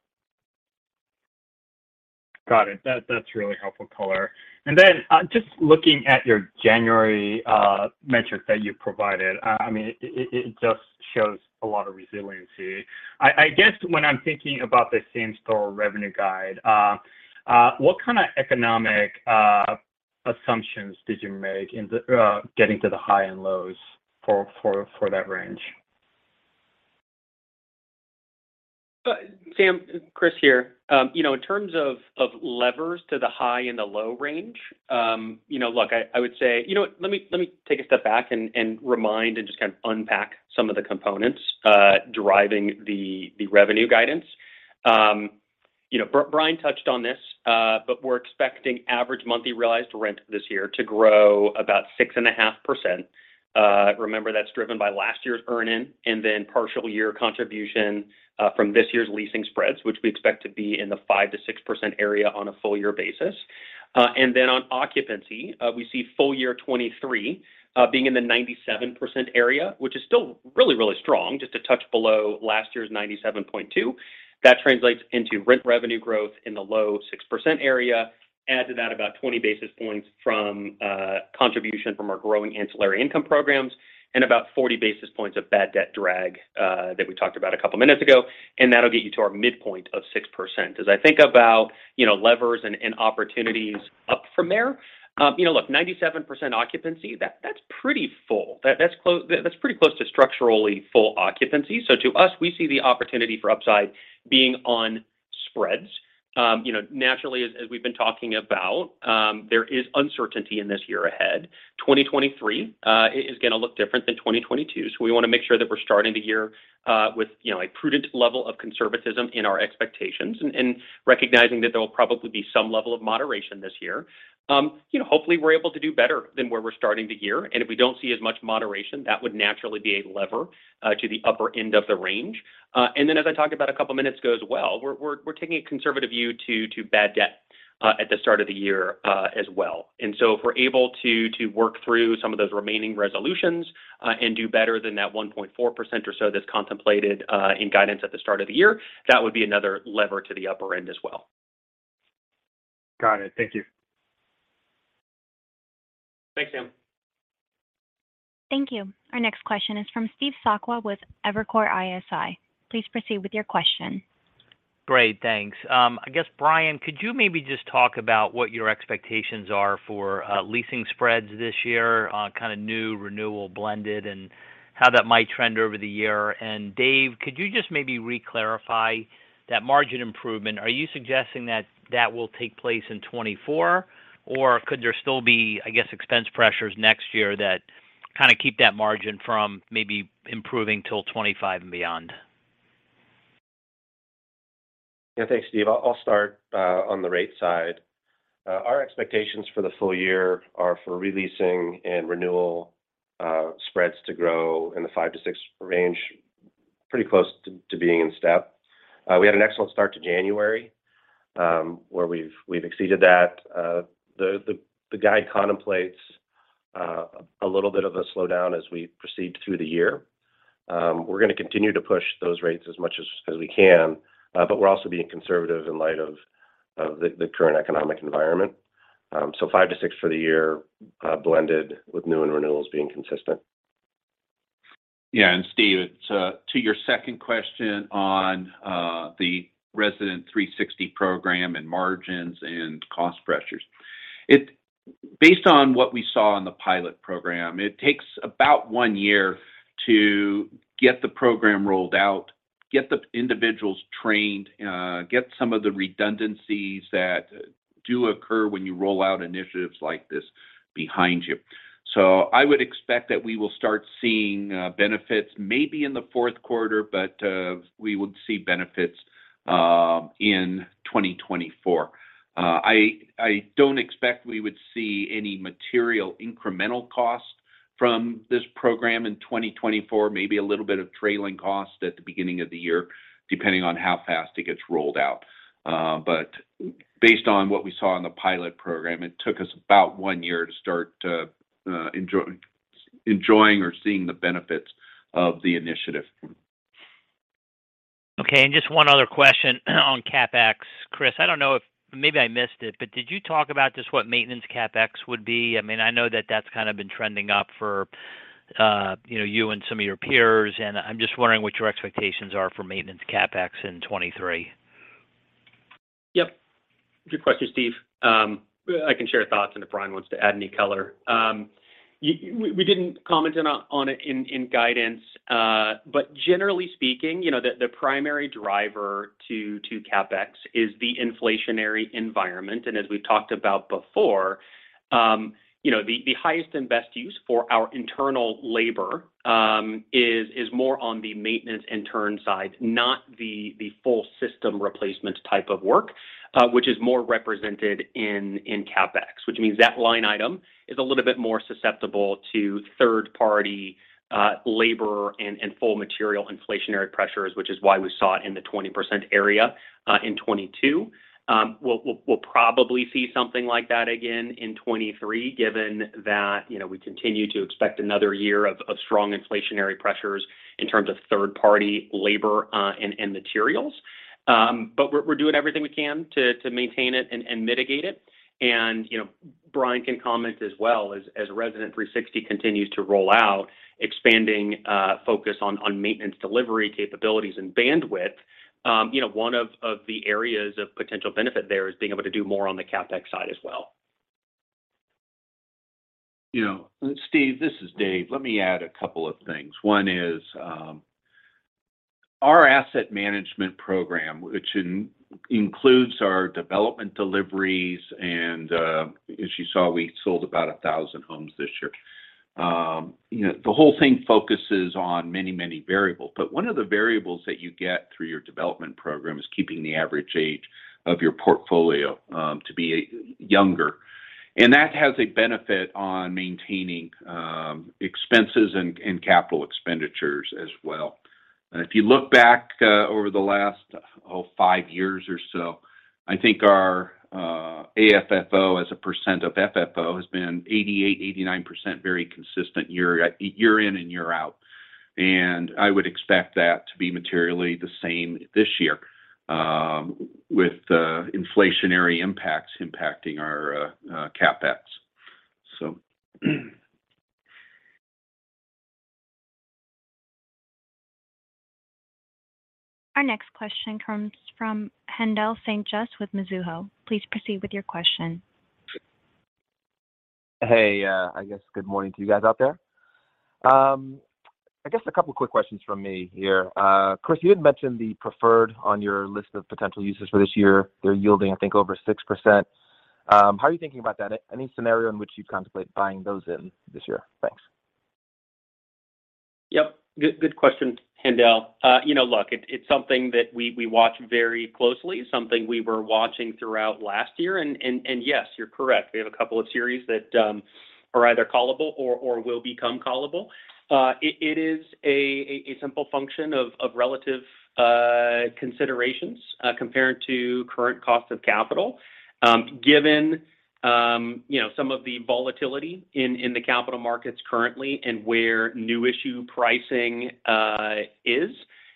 Got it. That's really helpful color. Then, just looking at your January metrics that you provided, I mean, it just shows a lot of resiliency. I guess when I'm thinking about the Same-Home revenue guide, what kind of economic assumptions did you make in getting to the high and lows for that range? Sam, Chris here. You know, in terms of levers to the high and the low range, you know, look, I would say... You know what? Let me, let me take a step back and remind and just kind of unpack some of the components driving the revenue guidance. You know, Bryan touched on this, but we're expecting average monthly realized rent this year to grow about 6.5%. Remember, that's driven by last year's earn-in and then partial year contribution from this year's leasing spreads, which we expect to be in the 5%-6% area on a full year basis. On occupancy, we see full year 2023 being in the 97% area, which is still really, really strong, just a touch below last year's 97.2%. That translates into rent revenue growth in the low 6% area. Add to that about 20 basis points from contribution from our growing ancillary income programs, and about 40 basis points of bad debt drag that we talked about a couple of minutes ago, and that'll get you to our midpoint of 6%. As I think about, you know, levers and opportunities up from there, you know, look, 97% occupancy, that's pretty full. That's pretty close to structurally full occupancy. To us, we see the opportunity for upside being on spreads. You know, naturally, as we've been talking about, there is uncertainty in this year ahead. 2023 is gonna look different than 2022, so we wanna make sure that we're starting the year with, you know, a prudent level of conservatism in our expectations and recognizing that there will probably be some level of moderation this year. You know, hopefully, we're able to do better than where we're starting the year. If we don't see as much moderation, that would naturally be a lever to the upper end of the range. Then as I talked about a couple of minutes ago as well, we're taking a conservative view to bad debt at the start of the year as well. If we're able to work through some of those remaining resolutions and do better than that 1.4% or so that's contemplated in guidance at the start of the year, that would be another lever to the upper end as well. Got it. Thank you. Thanks, Sam. Thank you. Our next question is from Steve Sakwa with Evercore ISI. Please proceed with your question. Great. Thanks. I guess, Bryan, could you maybe just talk about what your expectations are for leasing spreads this year, kind of new renewal blended, and how that might trend over the year? Dave, could you just maybe reclarify that margin improvement? Are you suggesting that that will take place in 2024, or could there still be, I guess, expense pressures next year that kinda keep that margin from maybe improving till 2025 and beyond? Thanks, Steve. I'll start on the rate side. Our expectations for the full year are for re-leasing and renewal spreads to grow in the 5%-6% range, pretty close to being in step. We had an excellent start to January, where we've exceeded that. The guide contemplates a little bit of a slowdown as we proceed through the year. We're gonna continue to push those rates as much as we can, but we're also being conservative in light of the current economic environment. 5% to 6% for the year, blended with new and renewals being consistent. Yeah. Steve, it's to your second question on the Resident 360 program and margins and cost pressures. Based on what we saw in the pilot program, it takes about one year to get the program rolled out, get the individuals trained, get some of the redundancies that do occur when you roll out initiatives like this behind you. I would expect that we will start seeing benefits maybe in the fourth quarter, but we would see benefits in 2024. I don't expect we would see any material incremental cost from this program in 2024, maybe a little bit of trailing cost at the beginning of the year, depending on how fast it gets rolled out. Based on what we saw in the pilot program, it took us about one year to start enjoying or seeing the benefits of the initiative. Okay. Just one other question on CapEx. Chris, I don't know if maybe I missed it, but did you talk about just what maintenance CapEx would be? I mean, I know that that's kind of been trending up for. You know, you and some of your peers, I'm just wondering what your expectations are for maintenance CapEx in 2023? Yep. Good question, Steve. I can share thoughts, and if Bryan wants to add any color. We didn't comment on it in guidance, but generally speaking, you know, the primary driver to CapEx is the inflationary environment. As we've talked about before, you know, the highest and best use for our internal labor is more on the maintenance and turn sides, not the full system replacement type of work, which is more represented in CapEx. Which means that line item is a little bit more susceptible to third-party labor and full material inflationary pressures, which is why we saw it in the 20% area in 2022. We'll probably see something like that again in 2023, given that, you know, we continue to expect another year of strong inflationary pressures in terms of third-party labor and materials. We're doing everything we can to maintain it and mitigate it. You know, Bryan can comment as well, as Resident 360 continues to roll out, expanding focus on maintenance delivery capabilities and bandwidth. You know, one of the areas of potential benefit there is being able to do more on the CapEx side as well. You know, Steve, this is Dave. Let me add a couple of things. One is, our asset management program, which includes our development deliveries and, as you saw, we sold about 1,000 homes this year. You know, the whole thing focuses on many, many variables, but one of the variables that you get through your development program is keeping the average age of your portfolio to be younger. That has a benefit on maintaining expenses and capital expenditures as well. If you look back over the last, 5 years or so, I think our AFFO as a percent of FFO has been 8%-89% very consistent year in and year out. I would expect that to be materially the same this year with the inflationary impacts impacting our CapEx. Our next question comes from Haendel St. Juste with Mizuho. Please proceed with your question. I guess good morning to you guys out there. I guess a couple of quick questions from me here. Chris, you had mentioned the preferred on your list of potential uses for this year. They're yielding, I think, over 6%. How are you thinking about that? Any scenario in which you'd contemplate buying those in this year? Thanks. Yep. Good question, Haendel. you know, look, it's something that we watch very closely, something we were watching throughout last year. Yes, you're correct. We have a couple of series that are either callable or will become callable. it is a simple function of relative considerations compared to current cost of capital. Given, you know, some of the volatility in the capital markets currently and where new issue pricing is,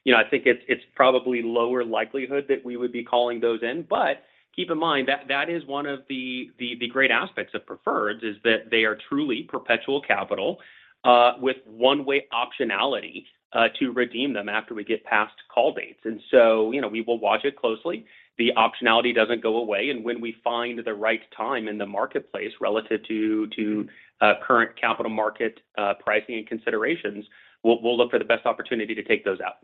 you know, I think it's probably lower likelihood that we would be calling those in. Keep in mind, that is one of the great aspects of preferreds is that they are truly perpetual capital with one-way optionality to redeem them after we get past call dates. you know, we will watch it closely. The optionality doesn't go away, and when we find the right time in the marketplace relative to current capital market pricing and considerations, we'll look for the best opportunity to take those out.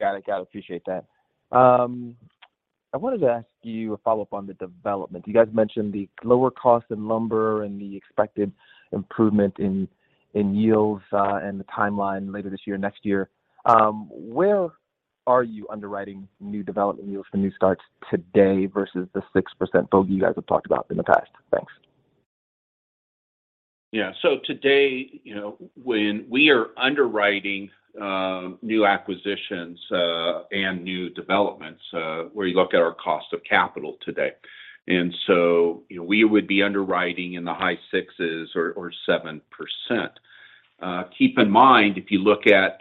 Got it. Got it. Appreciate that. I wanted to ask you a follow-up on the development. You guys mentioned the lower cost in lumber and the expected improvement in yields, and the timeline later this year, next year. Where are you underwriting new development yields for new starts today versus the 6% you guys have talked about in the past? Thanks. Today, you know, when we are underwriting new acquisitions and new developments, we look at our cost of capital today. You know, we would be underwriting in the high 6s or 7%. Keep in mind, if you look at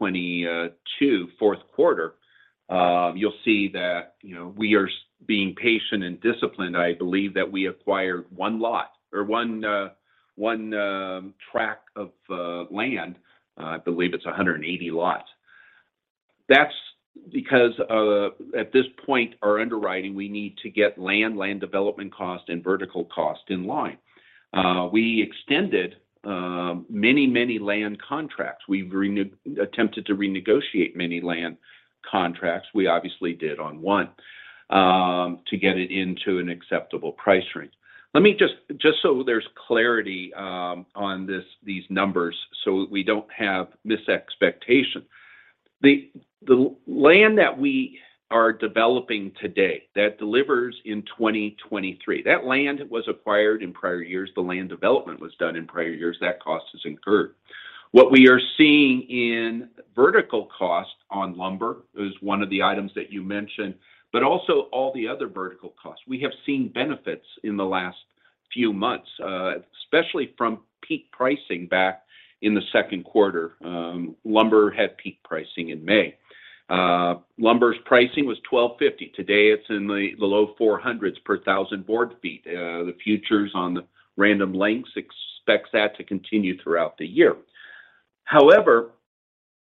2022 fourth quarter, you'll see that, you know, we are being patient and disciplined. I believe that we acquired one lot or one track of land. I believe it's 180 lots. That's because, at this point, our underwriting, we need to get land development cost, and vertical cost in line. We extended many land contracts. We attempted to renegotiate many land contracts. We obviously did on one to get it into an acceptable price range. Just so there's clarity on these numbers, we don't have misexpectation. The land that we are developing today that delivers in 2023, that land was acquired in prior years. The land development was done in prior years. That cost is incurred. What we are seeing in vertical cost on lumber is one of the items that you mentioned, but also all the other vertical costs. We have seen benefits in the last few months, especially from peak pricing back in the second quarter. Lumber had peak pricing in May. Lumber's pricing was $1,250. Today, it's in the low 400s per thousand board feet. The futures on the random length expects that to continue throughout the year. However,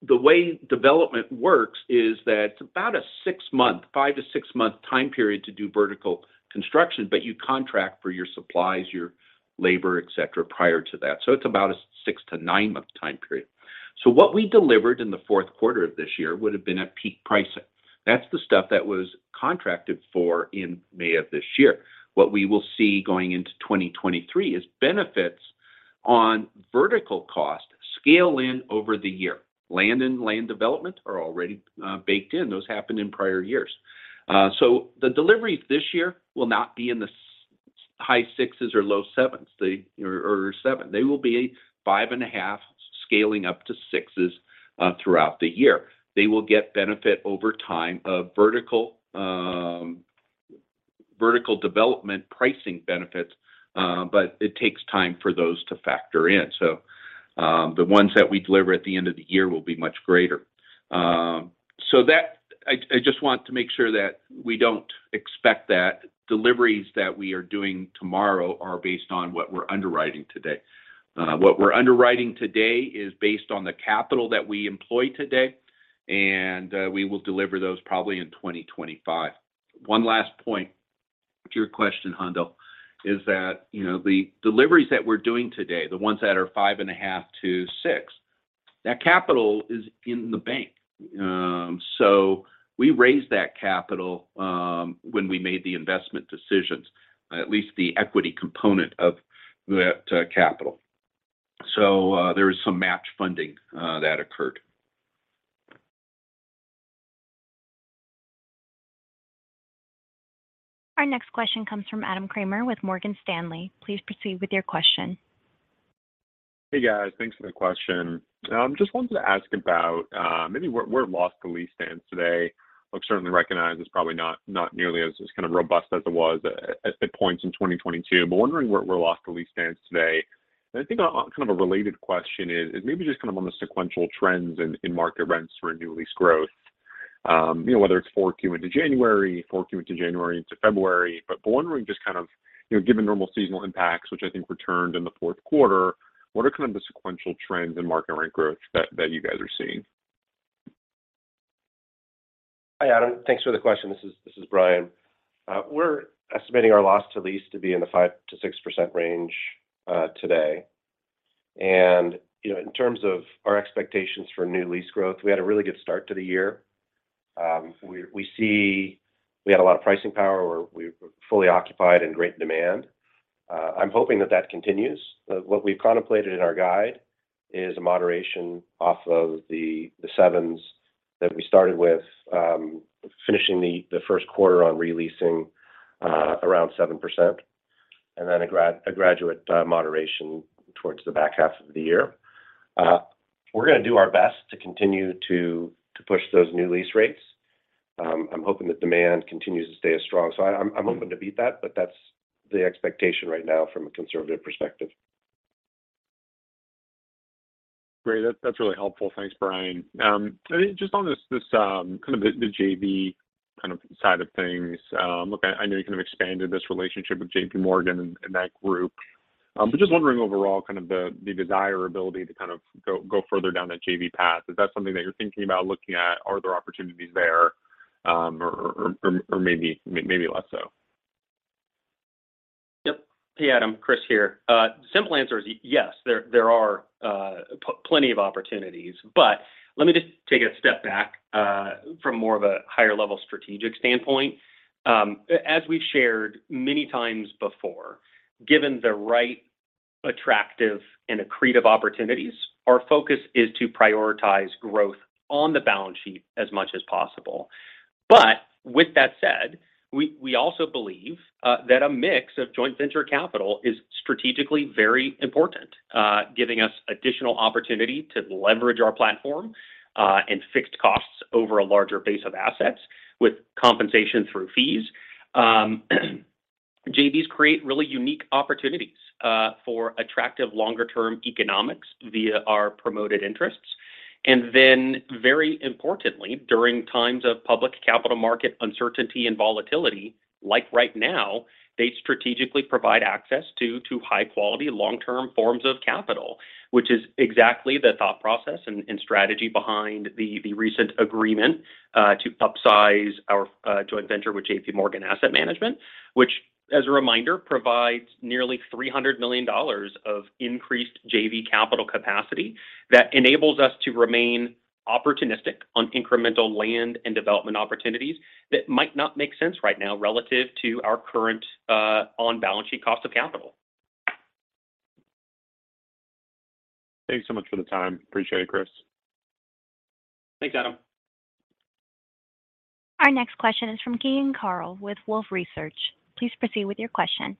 the way development works is that about a six-month, five to six-month time period to do vertical construction, but you contract for your supplies, your labor, et cetera, prior to that. It's about a six to nine-month time period. What we delivered in the fourth quarter of this year would've been at peak pricing. That's the stuff that was contracted for in May of this year. What we will see going into 2023 is benefits on vertical costs scale in over the year. Land and land development are already baked in. Those happened in prior years. The deliveries this year will not be in the high sixes or low sevens. Or seven. They will be five and a half scaling up to sixes throughout the year. They will get benefit over time of vertical development pricing benefits, but it takes time for those to factor in. The ones that we deliver at the end of the year will be much greater. I just want to make sure that we don't expect that deliveries that we are doing tomorrow are based on what we're underwriting today. What we're underwriting today is based on the capital that we employ today, and we will deliver those probably in 2025. One last point to your question, Haendel, is that, you know, the deliveries that we're doing today, the ones that are 5.5 to 6, that capital is in the bank. We raised that capital, when we made the investment decisions, at least the equity component of that capital. There is some match funding that occurred. Our next question comes from Adam Kramer with Morgan Stanley. Please proceed with your question. Hey, guys. Thanks for the question. Just wanted to ask about maybe where loss to lease stands today. Look, certainly recognize it's probably not nearly as kind of robust as it was at points in 2022. Wondering where loss to lease stands today. I think kind of a related question is maybe just kind of on the sequential trends in market rents for new lease growth. You know, whether it's 4Q into January, 4Q into January into February. Wondering just kind of, you know, given normal seasonal impacts, which I think returned in the fourth quarter, what are kind of the sequential trends in market rent growth that you guys are seeing? Hi, Adam. Thanks for the question. This is Bryan. We're estimating our loss to lease to be in the 5%-6% range today. You know, in terms of our expectations for new lease growth, we had a really good start to the year. We see we had a lot of pricing power, or we're fully occupied in great demand. I'm hoping that that continues. What we've contemplated in our guide is a moderation off of the 7s that we started with, finishing the first quarter on re-leasing around 7%, and then a graduate moderation towards the back half of the year. We're gonna do our best to continue to push those new lease rates. I'm hoping that demand continues to stay as strong. I'm hoping to beat that, but that's the expectation right now from a conservative perspective. Great. That's really helpful. Thanks, Bryan. Just on this kind of the JV kind of side of things, look, I know you kind of expanded this relationship with J.P. Morgan and that group. Just wondering overall kind of the desirability to kind of go further down that JV path. Is that something that you're thinking about looking at? Are there opportunities there, or maybe less so? Yep. Hey, Adam. Chris here. Simple answer is yes, there are plenty of opportunities. Let me just take a step back from more of a higher level strategic standpoint. As we've shared many times before, given the right attractive and accretive opportunities, our focus is to prioritize growth on the balance sheet as much as possible. With that said, we also believe that a mix of joint venture capital is strategically very important, giving us additional opportunity to leverage our platform and fixed costs over a larger base of assets with compensation through fees. JVs create really unique opportunities for attractive longer term economics via our promoted interests. Very importantly, during times of public capital market uncertainty and volatility, like right now, they strategically provide access to high quality long-term forms of capital, which is exactly the thought process and strategy behind the recent agreement to upsize our joint venture with J.P. Morgan Asset Management. Which, as a reminder, provides nearly $300 million of increased JV capital capacity that enables us to remain opportunistic on incremental land and development opportunities that might not make sense right now relative to our current on-balance sheet cost of capital. Thanks so much for the time. Appreciate it, Chris. Thanks, Adam. Our next question is from Keegan Carl with Wolfe Research. Please proceed with your question.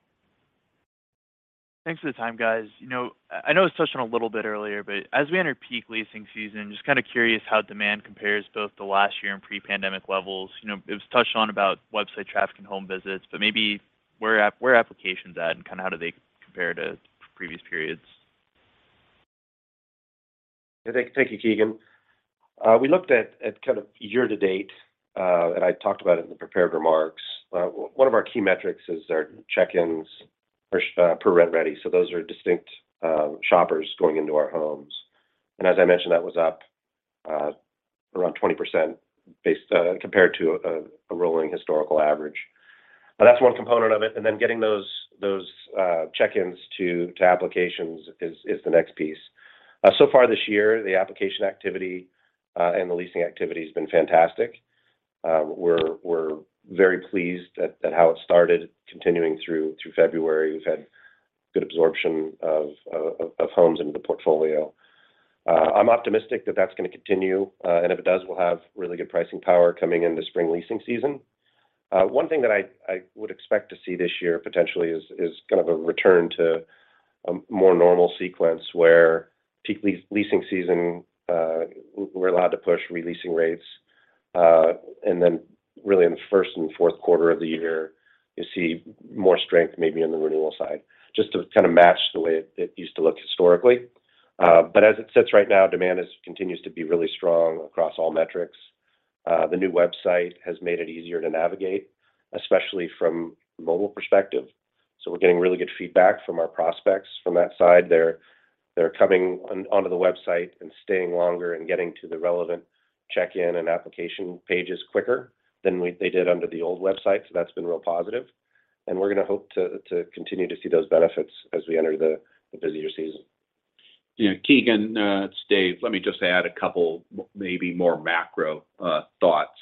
Thanks for the time, guys. You know, I know it was touched on a little bit earlier, but as we enter peak leasing season, just kind of curious how demand compares both to last year and pre-pandemic levels. You know, it was touched on about website traffic and home visits, but maybe where are applications at, and kind of how do they compare to previous periods? Thank you, Keegan. We looked at kind of year-to-date, and I talked about it in the prepared remarks. One of our key metrics is our check-ins per rent-ready. Those are distinct shoppers going into our homes. As I mentioned, that was up around 20% based compared to a rolling historical average. That's one component of it. Then getting those check-ins to applications is the next piece. So far this year, the application activity, and the leasing activity has been fantastic. We're very pleased at how it started continuing through February. We've had good absorption of homes into the portfolio. I'm optimistic that that's going to continue, and if it does, we'll have really good pricing power coming into spring leasing season. One thing that I would expect to see this year potentially is kind of a return to a more normal sequence where peak leasing season, we're allowed to push re-leasing rates. Really in the first and fourth quarter of the year, you see more strength maybe on the renewal side, just to kind of match the way it used to look historically. As it sits right now, demand continues to be really strong across all metrics. The new website has made it easier to navigate, especially from mobile perspective. We're getting really good feedback from our prospects from that side. They're coming onto the website and staying longer and getting to the relevant check-in and application pages quicker than they did under the old website. That's been real positive, and we're going to hope to continue to see those benefits as we enter the busier season. Keegan, it's Dave. Let me just add a couple maybe more macro thoughts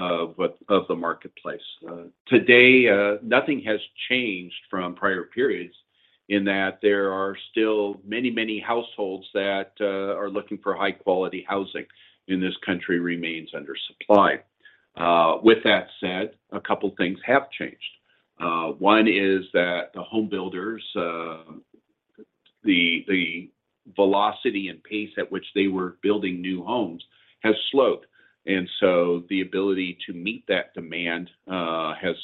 of the marketplace. Today, nothing has changed from prior periods in that there are still many, many households that are looking for high-quality housing, and this country remains under supplied. With that said, a couple things have changed. One is that the homebuilders, the velocity and pace at which they were building new homes has slowed, the ability to meet that demand has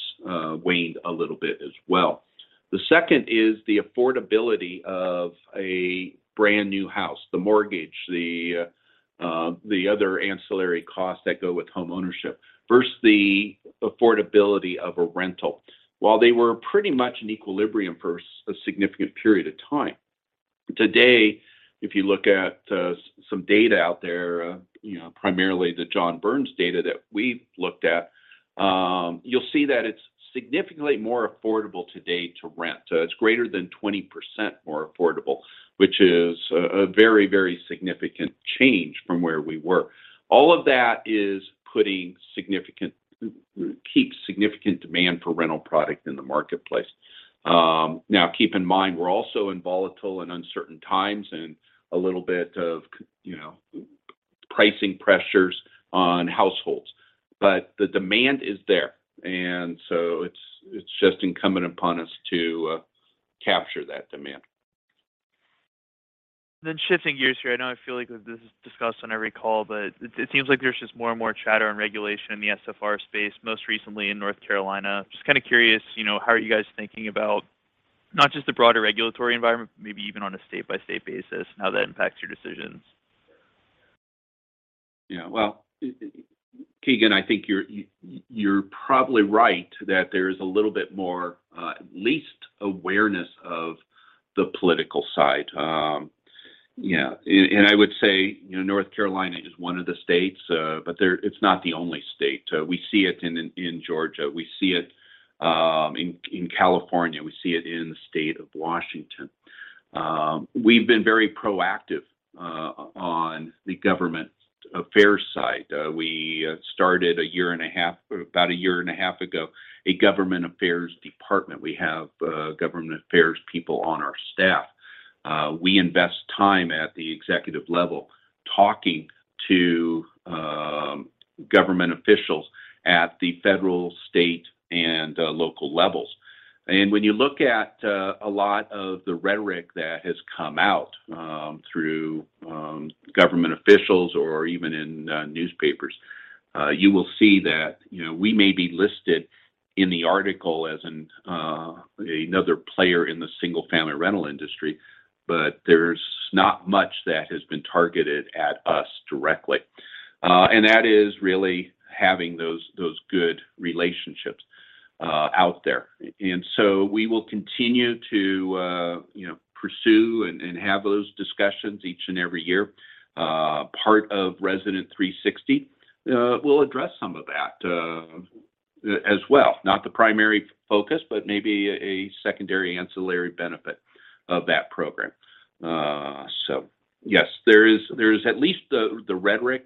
waned a little bit as well. The second is the affordability of a brand-new house, the mortgage, the other ancillary costs that go with homeownership versus the affordability of a rental. While they were pretty much in equilibrium for a significant period of time, today, if you look at some data out there, you know, primarily the John Burns data that we've looked at, you'll see that it's significantly more affordable today to rent. It's greater than 20% more affordable, which is a very, very significant change from where we were. All of that keeps significant demand for rental product in the marketplace. Now keep in mind, we're also in volatile and uncertain times and a little bit of pricing pressures on households. The demand is there. It's just incumbent upon us to capture that demand. Shifting gears here. I know I feel like this is discussed on every call, it seems like there's just more and more chatter and regulation in the SFR space, most recently in North Carolina. Kind of curious, you know, how are you guys thinking about not just the broader regulatory environment, maybe even on a state-by-state basis, how that impacts your decisions? Keegan, I think you're probably right that there is a little bit more, at least awareness of the political side. I would say, you know, North Carolina is one of the states, it's not the only state. We see it in Georgia, we see it, in California, we see it in the state of Washington. We've been very proactive, on the government affairs side. We started a year and a half, about a year and a half ago, a government affairs department. We have, government affairs people on our staff. We invest time at the executive level talking to, government officials at the federal, state, and, local levels. When you look at a lot of the rhetoric that has come out through government officials or even in newspapers, you will see that, you know, we may be listed in the article as another player in the single-family rental industry, but there's not much that has been targeted at us directly. That is really having those good relationships out there. We will continue to, you know, pursue and have those discussions each and every year. Part of Resident 360 will address some of that as well, not the primary focus, but maybe a secondary ancillary benefit of that program. Yes, there is at least the rhetoric,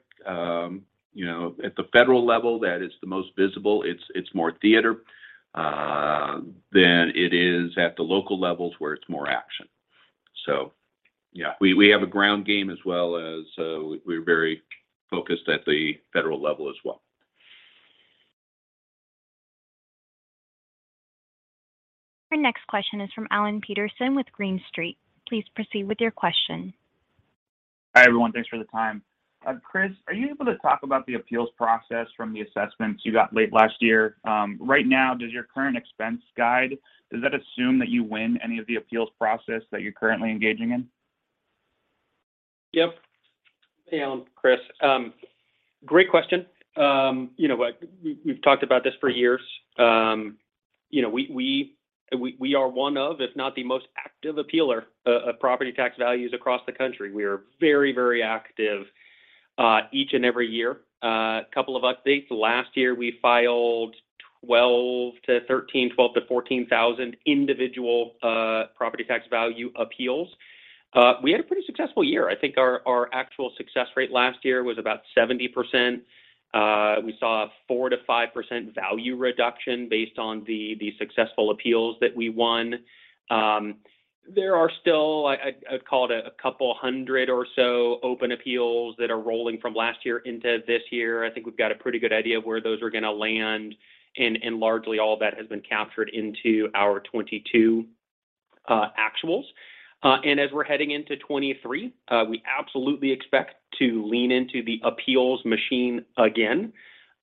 you know, at the federal level that is the most visible. It's more theater than it is at the local levels where it's more action. Yeah, we have a ground game as well as we're very focused at the federal level as well. Our next question is from Alan Peterson with Green Street. Please proceed with your question. Hi, everyone. Thanks for the time. Chris, are you able to talk about the appeals process from the assessments you got late last year? Right now, does your current expense guide, does that assume that you win any of the appeals process that you're currently engaging in? Yep. Hey, Alan. Chris. Great question. You know, we've talked about this for years. You know, we are one of, if not the most active appealer of property tax values across the country. We are very active each and every year. Couple of updates. Last year, we filed 12,000 to 13,000, 12,000 to 14,000 individual property tax value appeals. We had a pretty successful year. I think our actual success rate last year was about 70%. We saw a 4%-5% value reduction based on the successful appeals that we won. There are still, I'd call it a couple hundred or so open appeals that are rolling from last year into this year. I think we've got a pretty good idea of where those are gonna land, and largely all that has been captured into our 2022 actuals. As we're heading into 2023, we absolutely expect to lean into the appeals machine again.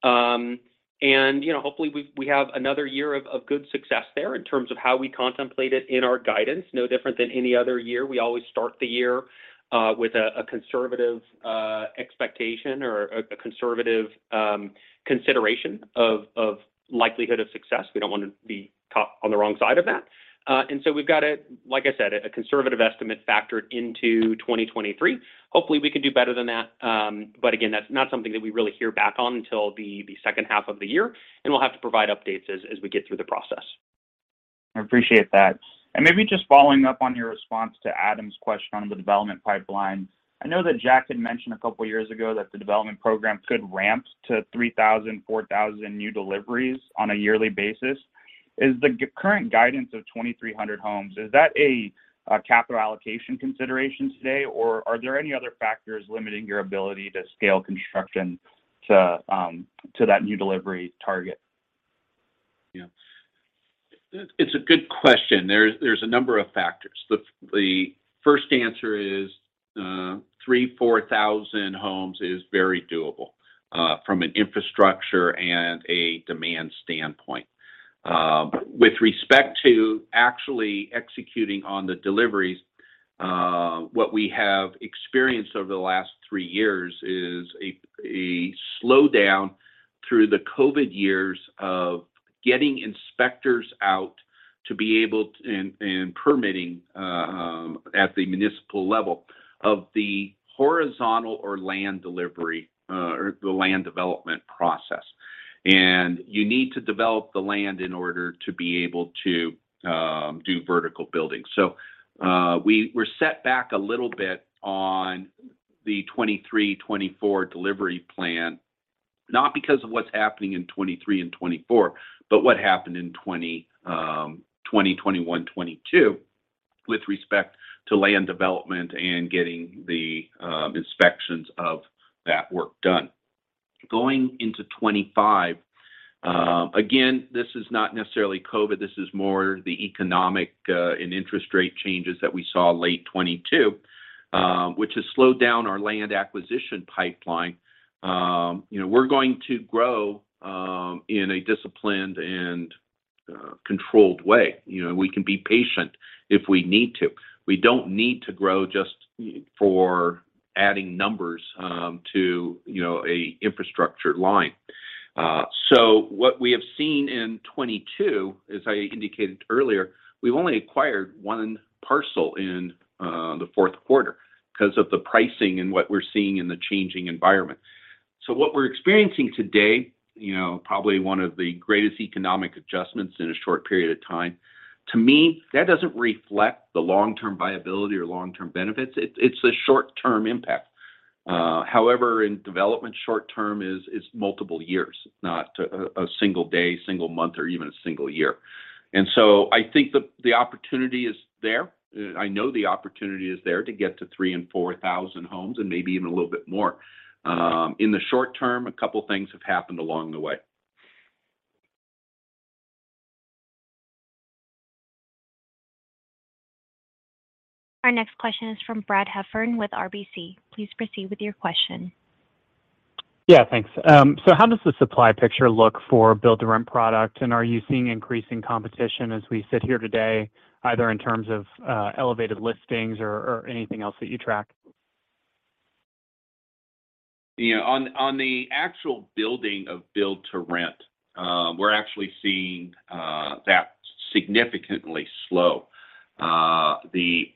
You know, hopefully we have another year of good success there in terms of how we contemplate it in our guidance. No different than any other year. We always start the year with a conservative expectation or a conservative consideration of likelihood of success. We don't want to be caught on the wrong side of that. We've got a, like I said, a conservative estimate factored into 2023. Hopefully, we can do better than that. Again, that's not something that we really hear back on until the second half of the year. We'll have to provide updates as we get through the process. I appreciate that. Maybe just following up on your response to Adam's question on the development pipeline. I know that Jack had mentioned a couple years ago that the development program could ramp to 3,000, 4,000 new deliveries on a yearly basis. Is the current guidance of 2,300 homes, is that a capital allocation consideration today, or are there any other factors limiting your ability to scale construction to that new delivery target? Yeah. It's a good question. There's a number of factors. The first answer is 3,000-4,000 homes is very doable from an infrastructure and a demand standpoint. With respect to actually executing on the deliveries, what we have experienced over the last 3 years is a slowdown through the COVID years of getting inspectors out and permitting at the municipal level of the horizontal or land delivery or the land development process. You need to develop the land in order to be able to do vertical building. We're set back a little bit on the 2023, 2024 delivery plan, not because of what's happening in 2023 and 2024, but what happened in 2020, 2021, 2022 with respect to land development and getting the inspections of that work done. Going into 2025, again, this is not necessarily COVID. This is more the economic and interest rate changes that we saw late 2022, which has slowed down our land acquisition pipeline. You know, we're going to grow in a disciplined and controlled way. You know, we can be patient if we need to. We don't need to grow just for adding numbers to, you know, a infrastructure line. What we have seen in 2022, as I indicated earlier, we've only acquired one parcel in the fourth quarter because of the pricing and what we're seeing in the changing environment. What we're experiencing today, you know, probably one of the greatest economic adjustments in a short period of time, to me, that doesn't reflect the long-term viability or long-term benefits. It's a short-term impact. However, in development, short term is multiple years, not a single day, single month, or even a single year. I think the opportunity is there. I know the opportunity is there to get to 3,000 and 4,000 homes and maybe even a little bit more. In the short term, a couple things have happened along the way. Our next question is from Brad Heffern with RBC. Please proceed with your question. Yeah, thanks. How does the supply picture look for build-to-rent product, and are you seeing increasing competition as we sit here today, either in terms of, elevated listings or anything else that you track? Yeah. On the actual building of build-to-rent, we're actually seeing that significantly slow.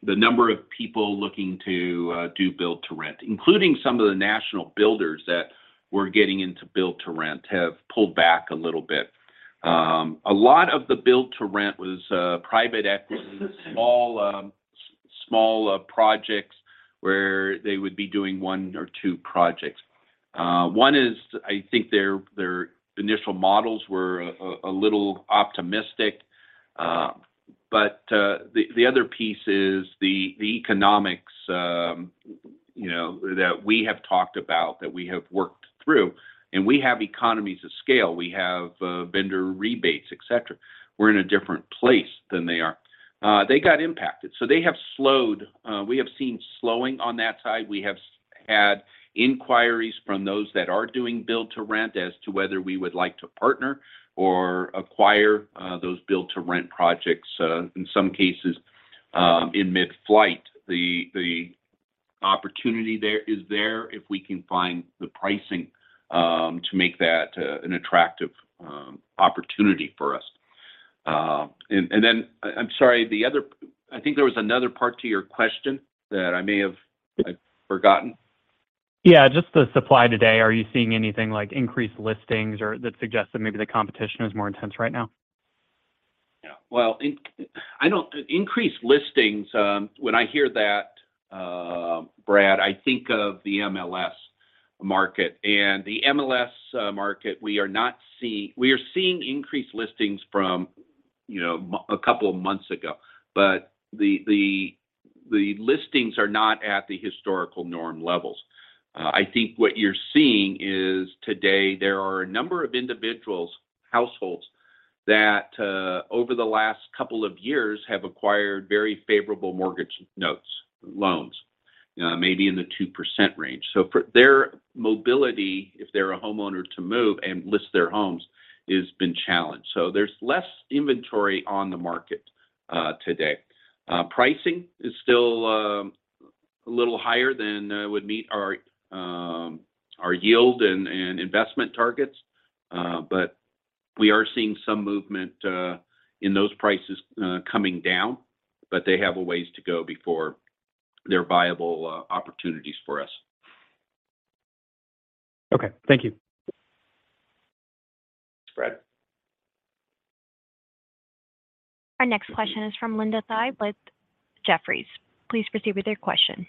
The number of people looking to do build-to-rent, including some of the national builders that were getting into build-to-rent, have pulled back a little bit. A lot of the build-to-rent was private equity, small projects where they would be doing 1 or 2 projects. One is I think their initial models were a little optimistic. But the other piece is the economics, you know, that we have talked about, that we have worked through, and we have economies of scale. We have vendor rebates, et cetera. We're in a different place than they are. They got impacted. They have slowed. We have seen slowing on that side. We have had inquiries from those that are doing build-to-rent as to whether we would like to partner or acquire those build-to-rent projects in some cases in mid-flight. The opportunity there is there if we can find the pricing to make that an attractive opportunity for us. I'm sorry, the other, I think there was another part to your question that I may have forgotten. Yeah. Just the supply today. Are you seeing anything like increased listings or that suggest that maybe the competition is more intense right now? Yeah. Well, Increased listings, when I hear that, Brad, I think of the MLS market. The MLS market, we are seeing increased listings from, you know, a couple of months ago, but the listings are not at the historical norm levels. I think what you're seeing is today there are a number of individuals, households that over the last couple of years have acquired very favorable mortgage notes, loans, maybe in the 2% range. For their mobility, if they're a homeowner to move and list their homes, has been challenged. There's less inventory on the market today. Pricing is still a little higher than would meet our yield and investment targets. We are seeing some movement in those prices coming down. They have a ways to go before they're viable opportunities for us. Okay. Thank you. Thanks, Brad. Our next question is from Linda Tsai with Jefferies. Please proceed with your question.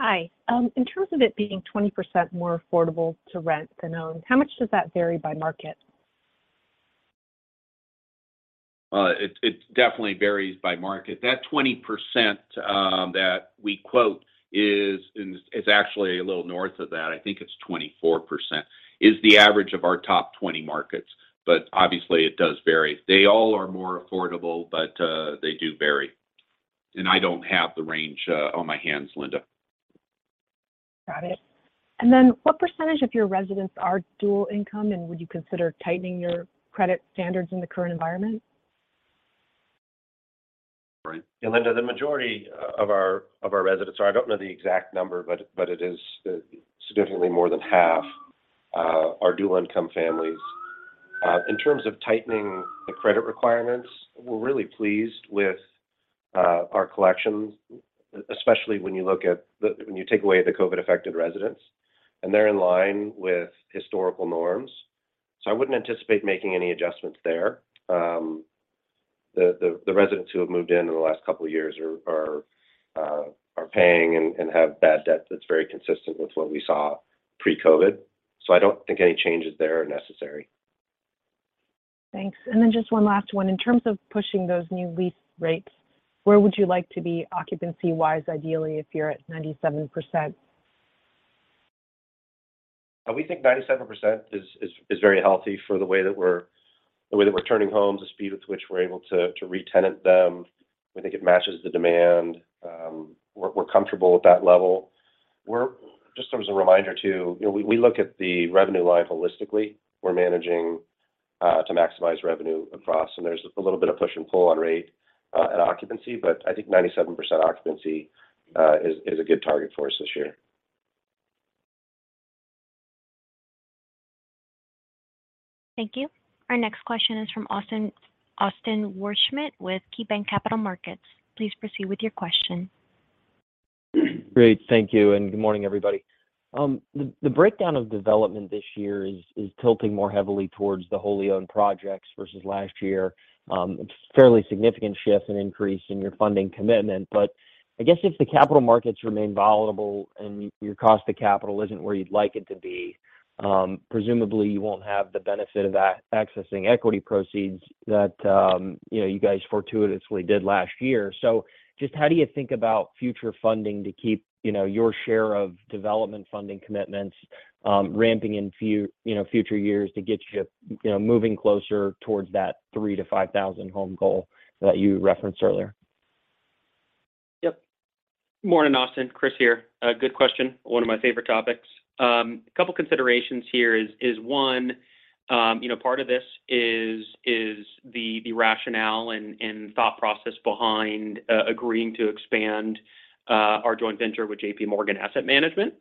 Hi. In terms of it being 20% more affordable to rent than own, how much does that vary by market? It, it definitely varies by market. That 20%, that we quote is actually a little north of that, I think it's 24%. Is the average of our top 20 markets, but obviously it does vary. They all are more affordable, but they do vary. I don't have the range on my hands, Linda. Got it. What % of your residents are dual income, and would you consider tightening your credit standards in the current environment? Right. Yeah, Linda, the majority of our residents are. I don't know the exact number, but it is significantly more than half are dual income families. In terms of tightening the credit requirements, we're really pleased with our collections, especially when you look at when you take away the COVID affected residents, and they're in line with historical norms. I wouldn't anticipate making any adjustments there. The residents who have moved in in the last couple of years are paying and have bad debt that's very consistent with what we saw pre-COVID. I don't think any changes there are necessary. Thanks. Then just one last one. In terms of pushing those new lease rates, where would you like to be occupancy-wise ideally, if you're at 97%? We think 97% is very healthy for the way that we're turning homes, the speed at which we're able to retenant them. We think it matches the demand. We're comfortable with that level. Just as a reminder too, you know, we look at the revenue line holistically. We're managing to maximize revenue across, and there's a little bit of push and pull on rate and occupancy, but I think 97% occupancy is a good target for us this year. Thank you. Our next question is from Austin Wurschmidt with KeyBanc Capital Markets. Please proceed with your question. Great. Thank you. Good morning, everybody. The breakdown of development this year is tilting more heavily towards the wholly owned projects versus last year. It's fairly significant shift and increase in your funding commitment. I guess if the capital markets remain volatile and your cost to capital isn't where you'd like it to be, presumably you won't have the benefit of accessing equity proceeds that, you know, you guys fortuitously did last year. Just how do you think about future funding to keep, you know, your share of development funding commitments ramping in you know, future years to get you know, moving closer towards that 3,000-5,000 home goal that you referenced earlier? Yep. Morning, Austin. Chris here. A good question. One of my favorite topics. A couple considerations here is one, you know, part of this is the rationale and thought process behind agreeing to expand our joint venture with J.P. Morgan Asset Management,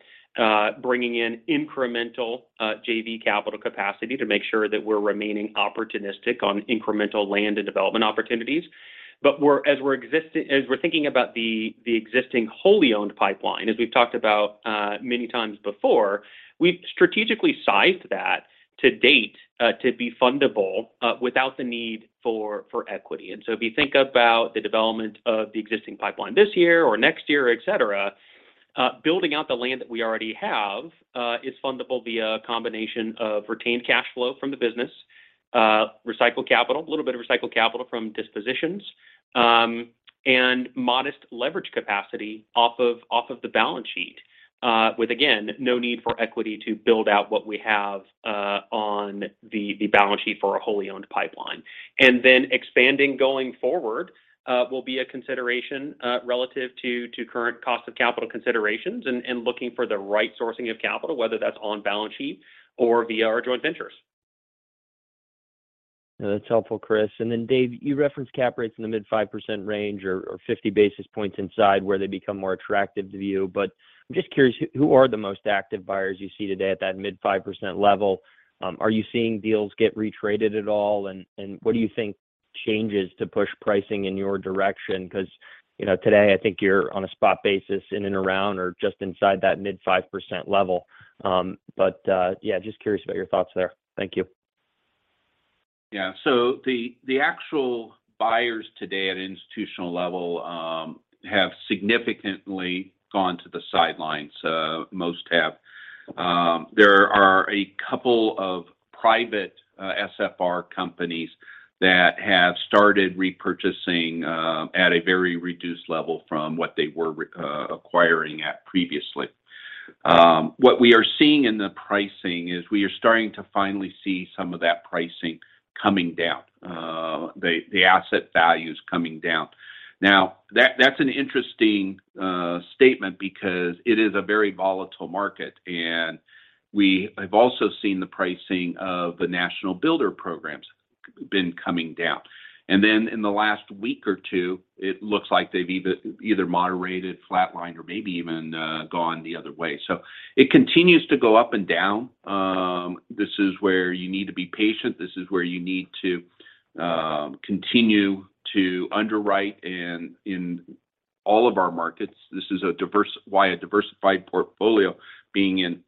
bringing in incremental JV capital capacity to make sure that we're remaining opportunistic on incremental land and development opportunities. As we're thinking about the existing wholly owned pipeline, as we've talked about many times before, we've strategically sized that to date to be fundable without the need for equity. If you think about the development of the existing pipeline this year or next year, et cetera, building out the land that we already have, is fundable via a combination of retained cash flow from the business, recycled capital, a little bit of recycled capital from dispositions, and modest leverage capacity off of the balance sheet. With again, no need for equity to build out what we have on the balance sheet for a wholly owned pipeline. Then expanding going forward will be a consideration relative to current cost of capital considerations and looking for the right sourcing of capital, whether that's on balance sheet or via our joint ventures. That's helpful, Chris Lau. Then David Singelyn, you referenced cap rates in the mid 5% range or 50 basis points inside where they become more attractive to you. I'm just curious, who are the most active buyers you see today at that mid 5% level? Are you seeing deals get retraded at all? What do you think changes to push pricing in your direction? Because, you know, today I think you're on a spot basis in and around or just inside that mid 5% level. Yeah, just curious about your thoughts there. Thank you. Yeah. The actual buyers today at institutional level have significantly gone to the sidelines. Most have. There are a couple of private SFR companies that have started repurchasing at a very reduced level from what they were acquiring at previously. What we are seeing in the pricing is we are starting to finally see some of that pricing coming down. The asset values coming down. Now, that's an interesting statement because it is a very volatile market, and we have also seen the pricing of the national builder programs been coming down. In the last week or two, it looks like they've either moderated, flatlined, or maybe even gone the other way. It continues to go up and down. This is where you need to be patient. This is where you need to continue to underwrite in all of our markets. This is why a diversified portfolio being in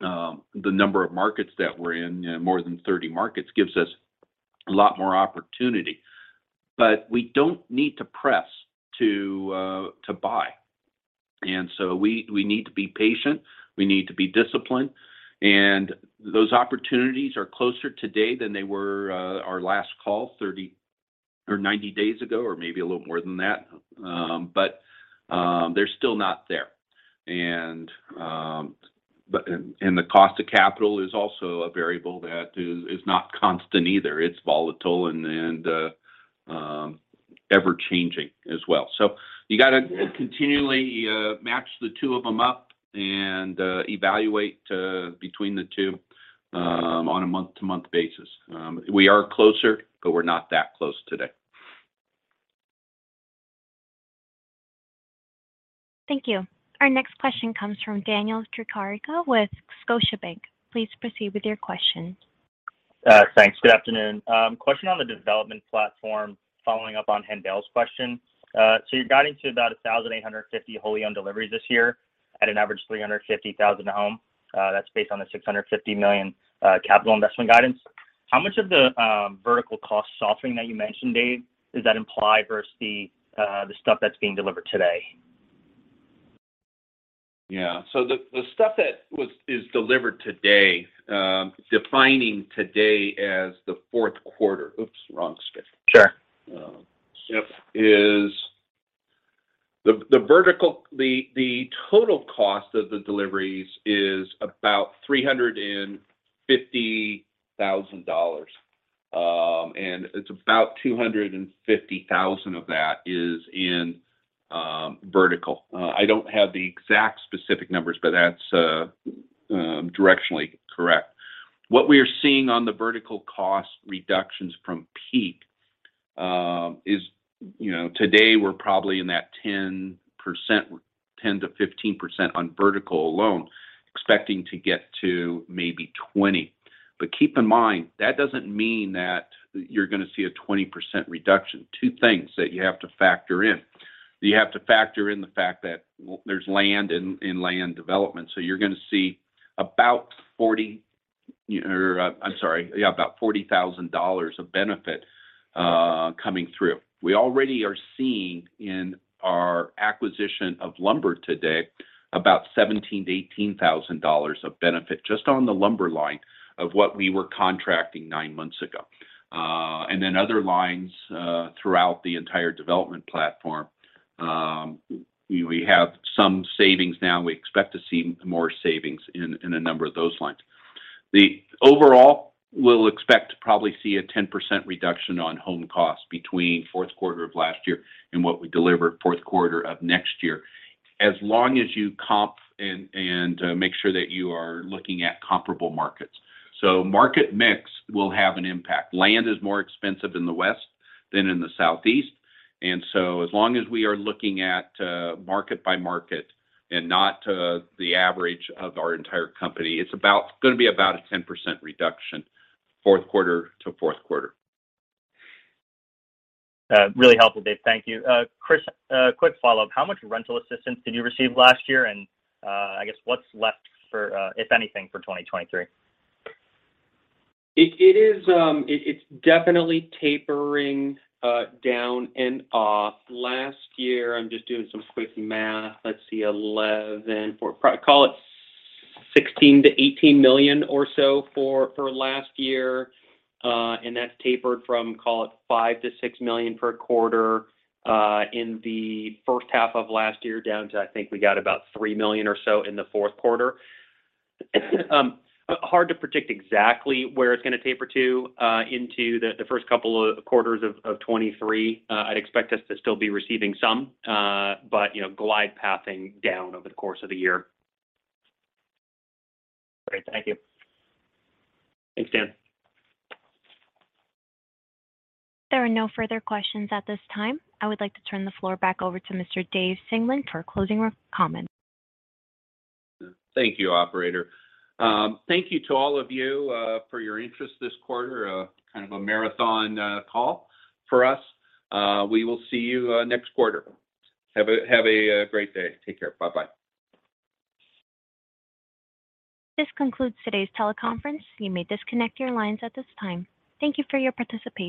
the number of markets that we're in, more than 30 markets, gives us a lot more opportunity. We don't need to press to buy. We need to be patient, we need to be disciplined, and those opportunities are closer today than they were our last call 30 or 90 days ago, or maybe a little more than that. They're still not there. The cost of capital is also a variable that is not constant either. It's volatile and ever-changing as well. You gotta continually match the two of them up and evaluate between the two on a month-to-month basis. We are closer, but we're not that close today. Thank you. Our next question comes from Daniel Tricarico with Scotiabank. Please proceed with your question. Thanks. Good afternoon. Question on the development platform, following up on Haendel's question. You're guiding to about 1,850 wholly owned deliveries this year at an average $350,000 a home. That's based on the $650 million capital investment guidance. How much of the vertical cost softening that you mentioned, David, does that imply versus the stuff that's being delivered today? Yeah. The stuff that is delivered today, defining today as the fourth quarter... Oops, wrong script. Sure. The total cost of the deliveries is about $350,000. It's about $250,000 of that is in vertical. I don't have the exact specific numbers, but that's directionally correct. What we are seeing on the vertical cost reductions from peak is, you know, today we're probably in that 10%, 10%-15% on vertical alone, expecting to get to maybe 20. Keep in mind, that doesn't mean that you're gonna see a 20% reduction. Two things that you have to factor in. You have to factor in the fact that there's land in land development. You're gonna see about $40,000 of benefit coming through. We already are seeing in our acquisition of lumber today about $17,000-$18,000 of benefit just on the lumber line of what we were contracting 9 months ago. Other lines, throughout the entire development platform, we have some savings now, and we expect to see more savings in a number of those lines. The overall, we'll expect to probably see a 10% reduction on home cost between fourth quarter of last year and what we deliver fourth quarter of next year, as long as you comp and make sure that you are looking at comparable markets. Market mix will have an impact. Land is more expensive in the West than in the Southeast. As long as we are looking at, market by market and not, the average of our entire company, it's about, gonna be about a 10% reduction, fourth quarter to fourth quarter. Really helpful, Dave. Thank you. Chris, a quick follow-up. How much rental assistance did you receive last year? I guess, what's left for, if anything, for 2023? It's definitely tapering down and off. Last year, I'm just doing some quick math. Call it $16 million-$18 million or so for last year. That's tapered from, call it $5 million-$6 million per quarter in the first half of last year down to, I think, we got about $3 million or so in the fourth quarter. Hard to predict exactly where it's gonna taper to into the first couple of quarters of 2023. I'd expect us to still be receiving some, you know, glide pathing down over the course of the year. Great. Thank you. Thanks, Dan. There are no further questions at this time. I would like to turn the floor back over to Mr. David Singelyn for closing comments. Thank you, operator. Thank you to all of you for your interest this quarter, kind of a marathon call for us. We will see you next quarter. Have a great day. Take care. Bye-bye. This concludes today's teleconference. You may disconnect your lines at this time. Thank you for your participation.